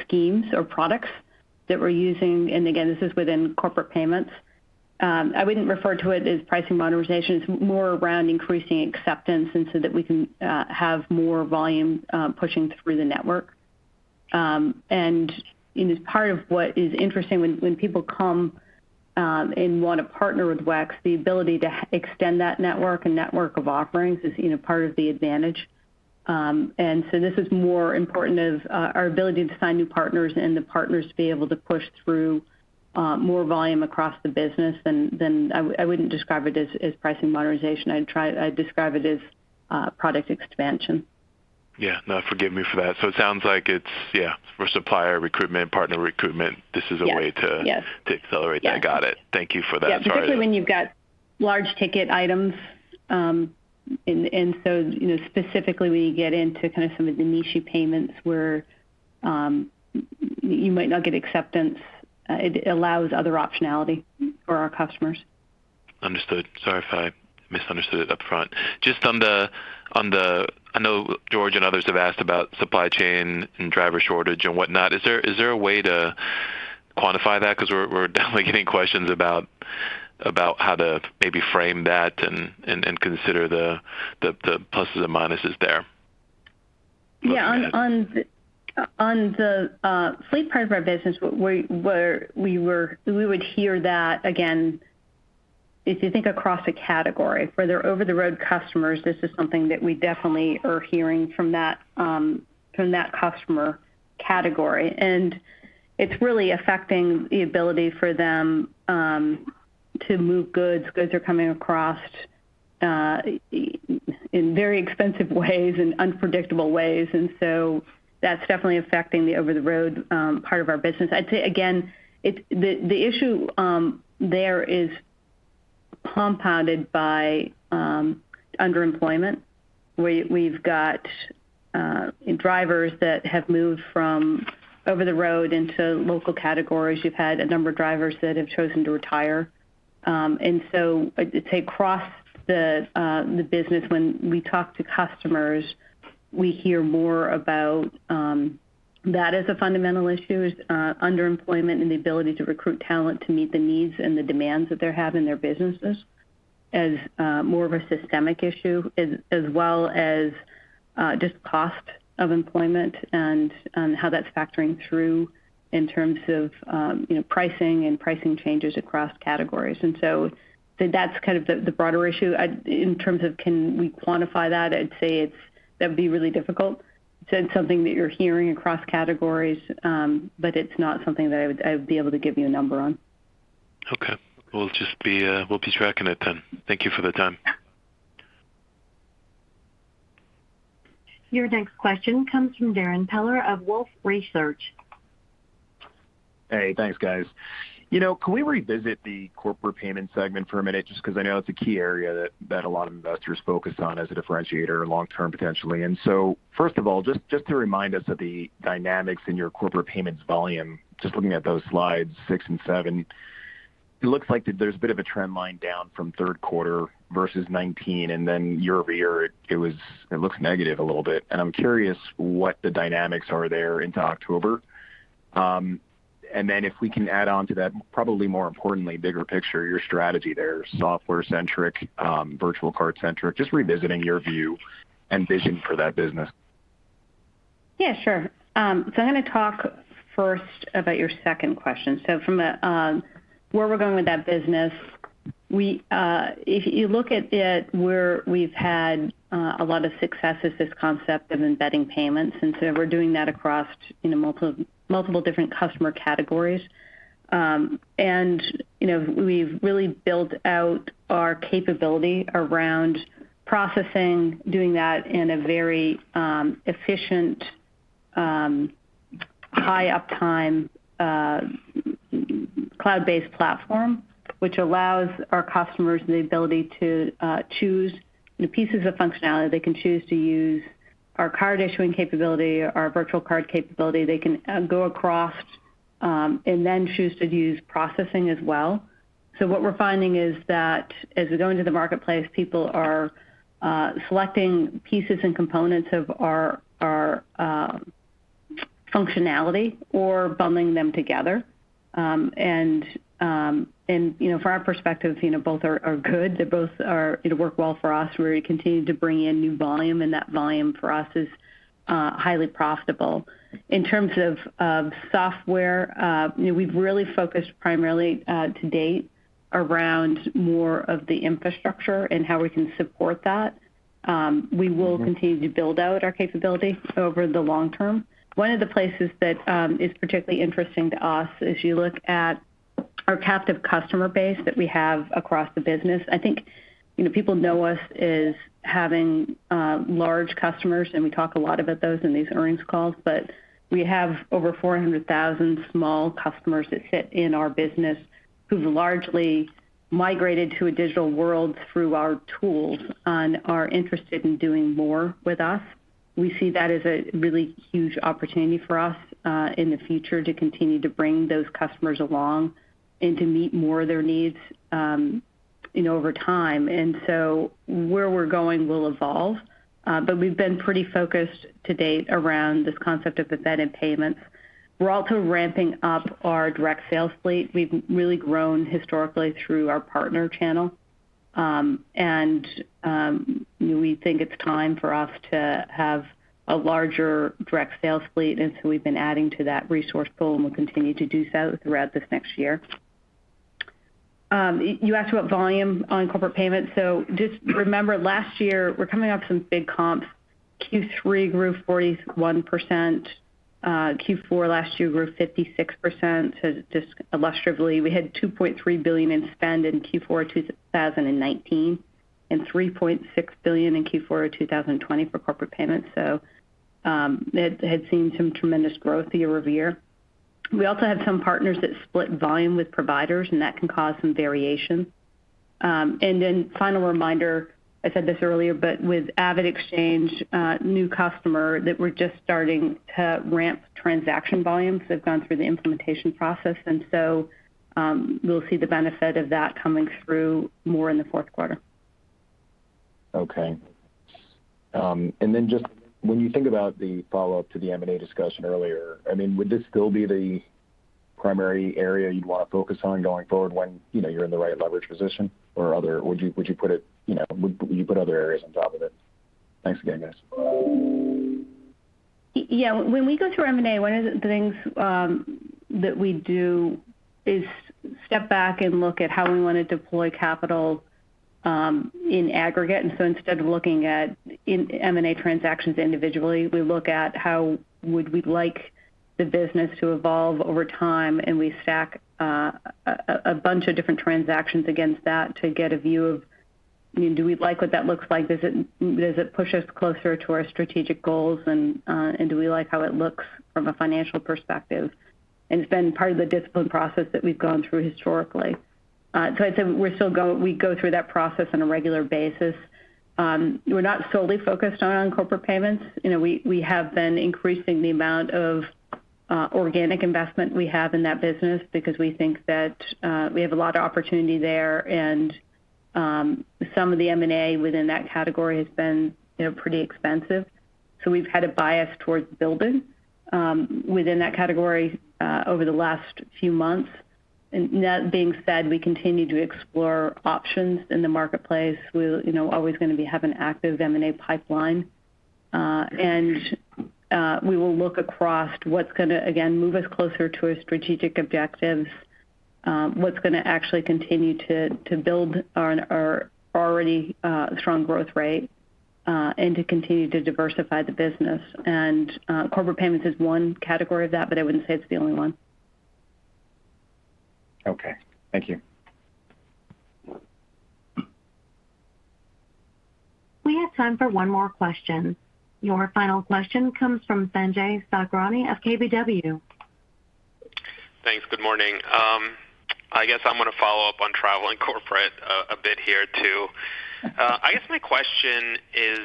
schemes or products that we're using. This is within Corporate payments. I wouldn't refer to it as pricing modernization. It's more around increasing acceptance and so that we can have more volume pushing through the network. As part of what is interesting when people come and want to partner with WEX, the ability to extend that network and network of offerings is, you know, part of the advantage. This is more important as our ability to sign new partners and the partners to be able to push through more volume across the business than I wouldn't describe it as pricing modernization. I'd describe it as product expansion. Yeah, no, forgive me for that. It sounds like it's, yeah, for supplier recruitment, partner recruitment. Yes. -This is a way to- Yes. To accelerate that. Yes. Got it. Thank you for that clarity. Yeah, particularly when you've got large ticket items, and so, you know, specifically when you get into kind of some of the niche payments where you might not get acceptance, it allows other optionality for our customers. Understood, sorry if I misunderstood it up front. I know George and others have asked about supply chain and driver shortage and whatnot. Is there a way to quantify that? Because we're definitely getting questions about how to maybe frame that and consider the pluses and minuses there. Yeah. Looking ahead. On the fleet part of our business, we would hear that again, if you think across a category. For their over-the-road customers, this is something that we definitely are hearing from that customer category. It's really affecting the ability for them to move goods. Goods are coming across in very expensive ways and unpredictable ways, and so that's definitely affecting the over-the-road part of our business. I'd say again, the issue there is compounded by underemployment. We've got drivers that have moved from over the road into local categories. You've had a number of drivers that have chosen to retire. I'd say across the business, when we talk to customers, we hear more about that as a fundamental issue is underemployment and the ability to recruit talent to meet the needs and the demands that they have in their businesses as more of a systemic issue as well as just cost of employment and how that's factoring through in terms of you know pricing and pricing changes across categories. That's kind of the broader issue. In terms of can we quantify that, I'd say that would be really difficult. It's something that you're hearing across categories, but it's not something that I would be able to give you a number on. Okay. We'll just be tracking it then. Thank you for the time. Yeah. Your next question comes from Darrin Peller of Wolfe Research. Hey, thanks, guys. You know, can we revisit the Corporate payment segment for a minute just 'cause I know it's a key area that a lot of investors focus on as a differentiator long-term potentially. First of all, just to remind us of the dynamics in your corporate payments volume, just looking at those slides six and seven, it looks like there's a bit of a trend line down from third quarter versus 2019 and then year-over-year it looks negative a little bit. I'm curious what the dynamics are there into October. If we can add on to that, probably more importantly, bigger picture, your strategy there, software centric, virtual card centric, just revisiting your view and vision for that business. Yeah, sure. I'm gonna talk first about your second question. From a where we're going with that business. We if you look at it where we've had a lot of success with this concept of embedding payments, and we're doing that across, you know, multiple different customer categories. And you know, we've really built out our capability around processing, doing that in a very efficient high uptime cloud-based platform, which allows our customers the ability to choose the pieces of functionality. They can choose to use our card issuing capability, our virtual card capability. They can go across and then choose to use processing as well. What we're finding is that as we go into the marketplace, people are selecting pieces and components of our functionality or bundling them together. You know, from our perspective, you know, both are good. They both work well for us. We're continuing to bring in new volume, and that volume for us is highly profitable. In terms of software, you know, we've really focused primarily to date around more of the infrastructure and how we can support that. We will continue to build out our capability over the long term. One of the places that is particularly interesting to us is you look at our captive customer base that we have across the business. I think, you know, people know us as having large customers, and we talk a lot about those in these earnings calls. We have over 400,000 small customers that sit in our business who've largely migrated to a digital world through our tools and are interested in doing more with us. We see that as a really huge opportunity for us in the future to continue to bring those customers along and to meet more of their needs, you know, over time. Where we're going will evolve, but we've been pretty focused to date around this concept of embedded payments. We're also ramping up our direct sales force. We've really grown historically through our partner channel. We think it's time for us to have a larger direct sales force, and so we've been adding to that resource pool, and we'll continue to do so throughout this next year. You asked about volume on corporate payments. Just remember last year, we're coming off some big comps. Q3 grew 41%. Q4 last year grew 56%. Just illustratively, we had $2.3 billion in spend in Q4 2019 and $3.6 billion in Q4 2020 for corporate payments. It had seen some tremendous growth year-over-year. We also have some partners that split volume with providers, and that can cause some variation. Final reminder, I said this earlier, but with AvidXchange, new customer that we're just starting to ramp transaction volumes. They've gone through the implementation process, and we'll see the benefit of that coming through more in the fourth quarter. Okay, then just when you think about the follow-up to the M&A discussion earlier, I mean, would this still be the primary area you'd want to focus on going forward when you know you're in the right leverage position or other? Would you put it, you know, would you put other areas on top of it? Thanks again, guys. Yeah, when we go through M&A, one of the things that we do is step back and look at how we want to deploy capital in aggregate. Instead of looking at M&A transactions individually, we look at how would we like the business to evolve over time, and we stack a bunch of different transactions against that to get a view of, you know, do we like what that looks like? Does it push us closer to our strategic goals? Do we like how it looks from a financial perspective? It's been part of the discipline process that we've gone through historically. I'd say we still go through that process on a regular basis. We're not solely focused on Corporate payments. You know, we have been increasing the amount of organic investment we have in that business because we think that we have a lot of opportunity there. Some of the M&A within that category has been, you know, pretty expensive. We've had a bias towards building within that category over the last few months. That being said, we continue to explore options in the marketplace. We're, you know, always going to be having an active M&A pipeline. We will look across what's gonna again move us closer to our strategic objectives, what's gonna actually continue to build our already strong growth rate, and to continue to diversify the business. Corporate payments is one category of that, but I wouldn't say it's the only one. Okay, thank you. We have time for one more question. Your final question comes from Sanjay Sakhrani of KBW. Thanks, good morning. I guess I'm gonna follow up on Travel and Corporate a bit here too. I guess my question is,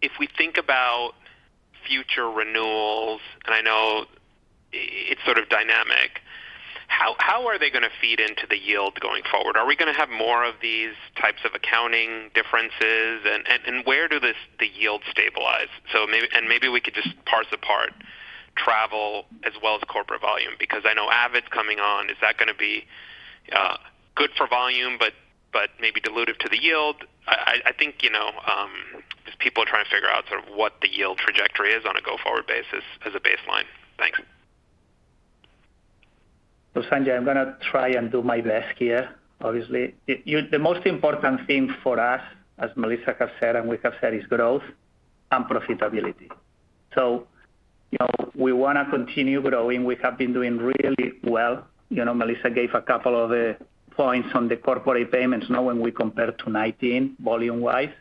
if we think about future renewals, and I know it's sort of dynamic, how are they gonna feed into the yield going forward? Are we gonna have more of these types of accounting differences? And where does the yield stabilize? And maybe we could just parse apart travel as well as corporate volume, because I know Avid's coming on. Is that gonna be good for volume but maybe dilutive to the yield? I think, you know, as people are trying to figure out sort of what the yield trajectory is on a go-forward basis as a baseline. Thanks. Sanjay, I'm gonna try and do my best here, obviously. The most important thing for us, as Melissa has said, and we have said, is growth and profitability. You know, we wanna continue growing. We have been doing really well. You know, Melissa gave a couple of points on the corporate payments noting we compared to 2019 volume-wise.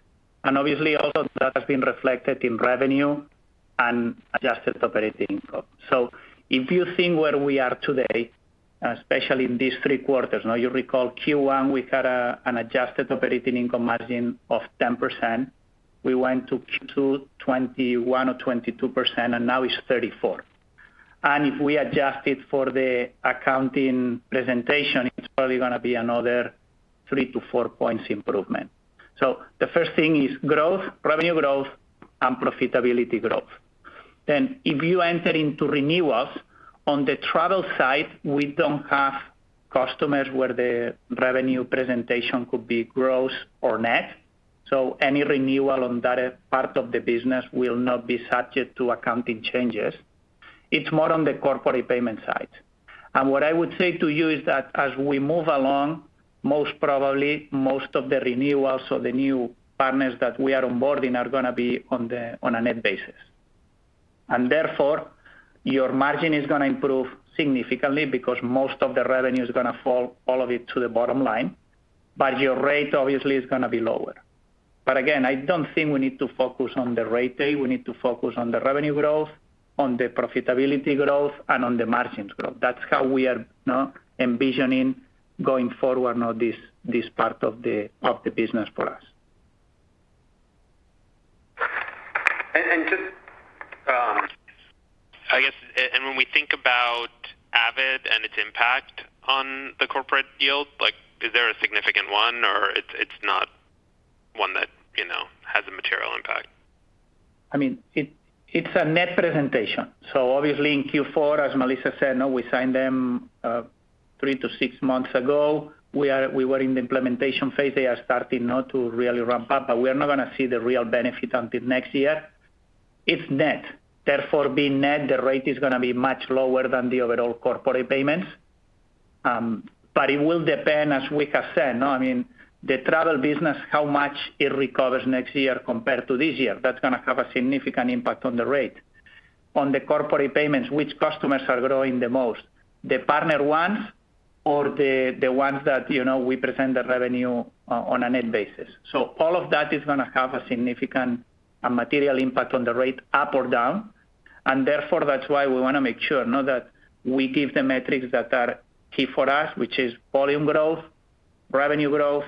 Obviously all of that has been reflected in revenue and adjusted operating income. If you think where we are today, especially in these three quarters. Now you recall Q1, we had an adjusted operating income margin of 10%. We went to Q2, 21% or 22%, and now it's 34%. If we adjust it for the accounting presentation, it's probably gonna be another three to four points improvement. The first thing is growth, revenue growth, and profitability growth. If you enter into renewals, on the travel side, we don't have customers where the revenue presentation could be gross or net, so any renewal on that part of the business will not be subject to accounting changes. It's more on the corporate payment side. What I would say to you is that as we move along, most probably, most of the renewals or the new partners that we are onboarding are gonna be on a net basis. Therefore, your margin is gonna improve significantly because most of the revenue is gonna fall all of it to the bottom line. Your rate obviously is gonna be lower. Again, I don't think we need to focus on the rate today. We need to focus on the revenue growth, on the profitability growth, and on the margins growth. That's how we are now envisioning going forward, this part of the business for us. Just, I guess, when we think about Avid and its impact on the corporate yield, like is there a significant one or it's not one that, you know, has a material impact? I mean, it's a net presentation. Obviously in Q4, as Melissa said, now we signed them three to six months ago. We were in the implementation phase. They are starting now to really ramp up, but we are not gonna see the real benefit until next year. It's net. Therefore, being net, the rate is gonna be much lower than the overall corporate payments. But it will depend, as we have said. I mean, the travel business, how much it recovers next year compared to this year, that's gonna have a significant impact on the rate. On the corporate payments, which customers are growing the most, the partner ones or the ones that, you know, we present the revenue on a net basis. All of that is gonna have a significant material impact on the rate up or down. Therefore, that's why we wanna make sure now that we give the metrics that are key for us, which is volume growth, revenue growth,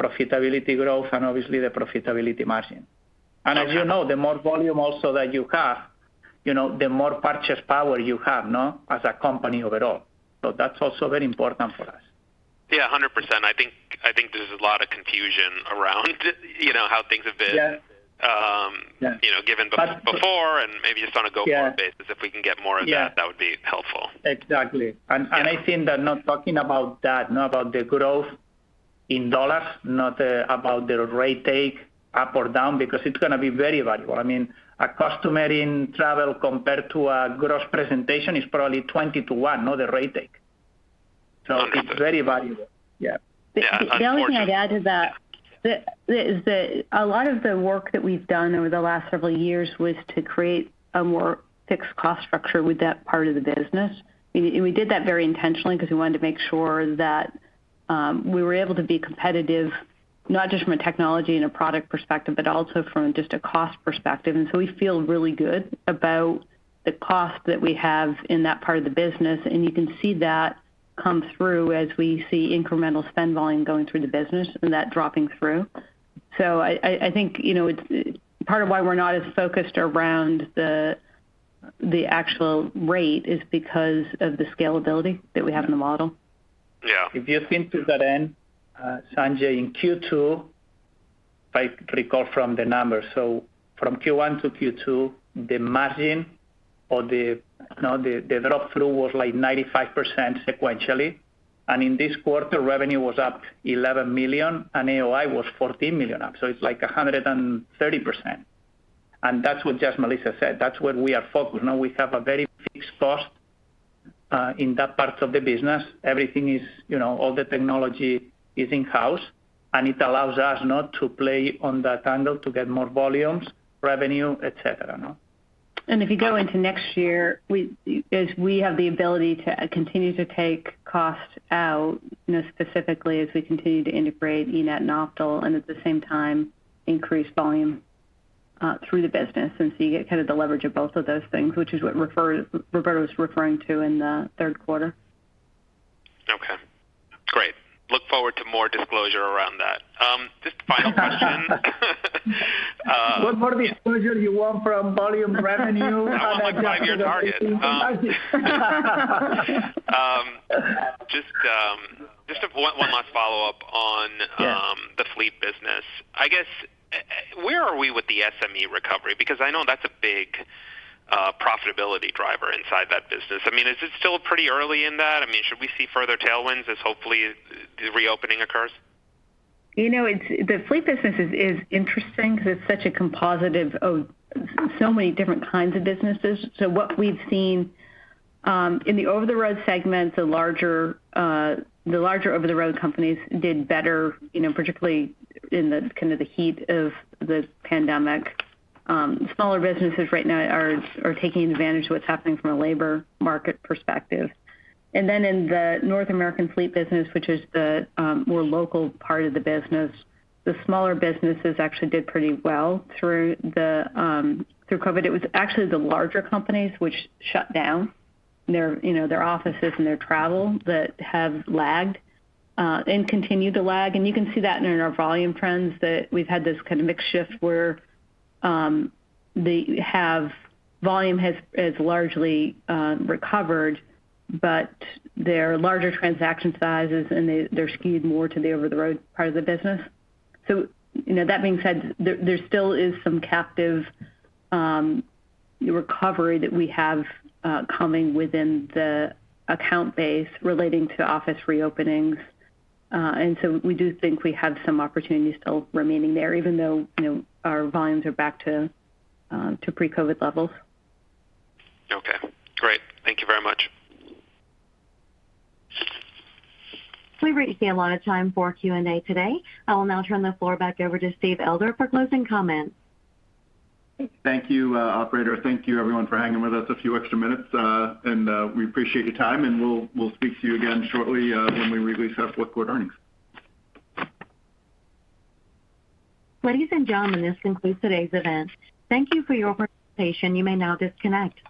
profitability growth, and obviously the profitability margin. Okay. As you know, the more volume also that you have, you know, the more purchasing power you have, no, as a company overall. That's also very important for us. Yeah, 100%. I think there's a lot of confusion around, you know, how things have been. Yeah. Um- Yeah. You know, given before and maybe just on a go- Yeah. Forward basis, if we can get more of that. Yeah. That would be helpful. Exactly. I think that not talking about that, not about the growth in dollars, not about the take rate up or down because it's gonna be very valuable. I mean, a customer in travel compared to a gas station is probably 20 to 1, not the take rate. It's very valuable. Yeah. Yeah, unfortunately. The only thing I'd add to that is that a lot of the work that we've done over the last several years was to create a more fixed cost structure with that part of the business. We did that very intentionally because we wanted to make sure that we were able to be competitive, not just from a technology and a product perspective, but also from just a cost perspective. We feel really good about the cost that we have in that part of the business, and you can see that come through as we see incremental spend volume going through the business and that dropping through. I think, you know, it's part of why we're not as focused around the actual rate is because of the scalability that we have in the model. Yeah. If you think through that end, Sanjay, in Q2, if I recall from the numbers, so from Q1 to Q2, the margin or, you know, the drop-through was like 95% sequentially. In this quarter, revenue was up $11 million and AOI was $14 million up, so it's like 130%. That's what just Melissa said. That's what we are focused. Now we have a very fixed cost in that part of the business. Everything is, you know, all the technology is in-house, and it allows us now to play on that angle to get more volumes, revenue, et cetera, no? If you go into next year, as we have the ability to continue to take costs out, you know, specifically as we continue to integrate eNett and Optal, and at the same time increase volume through the business and see kind of the leverage of both of those things, which is what Roberto was referring to in the third quarter. Okay, great. Look forward to more disclosure around that. Just final question. What more disclosure do you want from volume revenue? How about my five-year target? Just one last follow-up on. Yes. The fleet business. I guess, where are we with the SME recovery? Because I know that's a big profitability driver inside that business. I mean, is it still pretty early in that? I mean, should we see further tailwinds as hopefully the reopening occurs? You know, it's the fleet businesses is interesting because it's such a composite of so many different kinds of businesses. What we've seen in the over-the-road segment, the larger over-the-road companies did better, you know, particularly in the kind of the heat of the pandemic. Smaller businesses right now are taking advantage of what's happening from a labor market perspective. In the North American Fleet business, which is the more local part of the business, the smaller businesses actually did pretty well through COVID. It was actually the larger companies which shut down their, you know, their offices and their travel that have lagged and continue to lag. You can see that in our volume trends that we've had this kind of mixed shift where volume has largely recovered, but there are larger transaction sizes and they're skewed more to the over-the-road part of the business. You know, that being said, there still is some captive recovery that we have coming within the account base relating to office reopenings. We do think we have some opportunities still remaining there, even though, you know, our volumes are back to pre-COVID levels. Okay, great. Thank you very much. We've reached the allotted time for Q&A today. I will now turn the floor back over to Steve Elder for closing comments. Thank you, operator. Thank you everyone for hanging with us a few extra minutes. We appreciate your time, and we'll speak to you again shortly, when we release our fourth quarter earnings. Ladies and gentlemen, this concludes today's event. Thank you for your participation. You may now disconnect.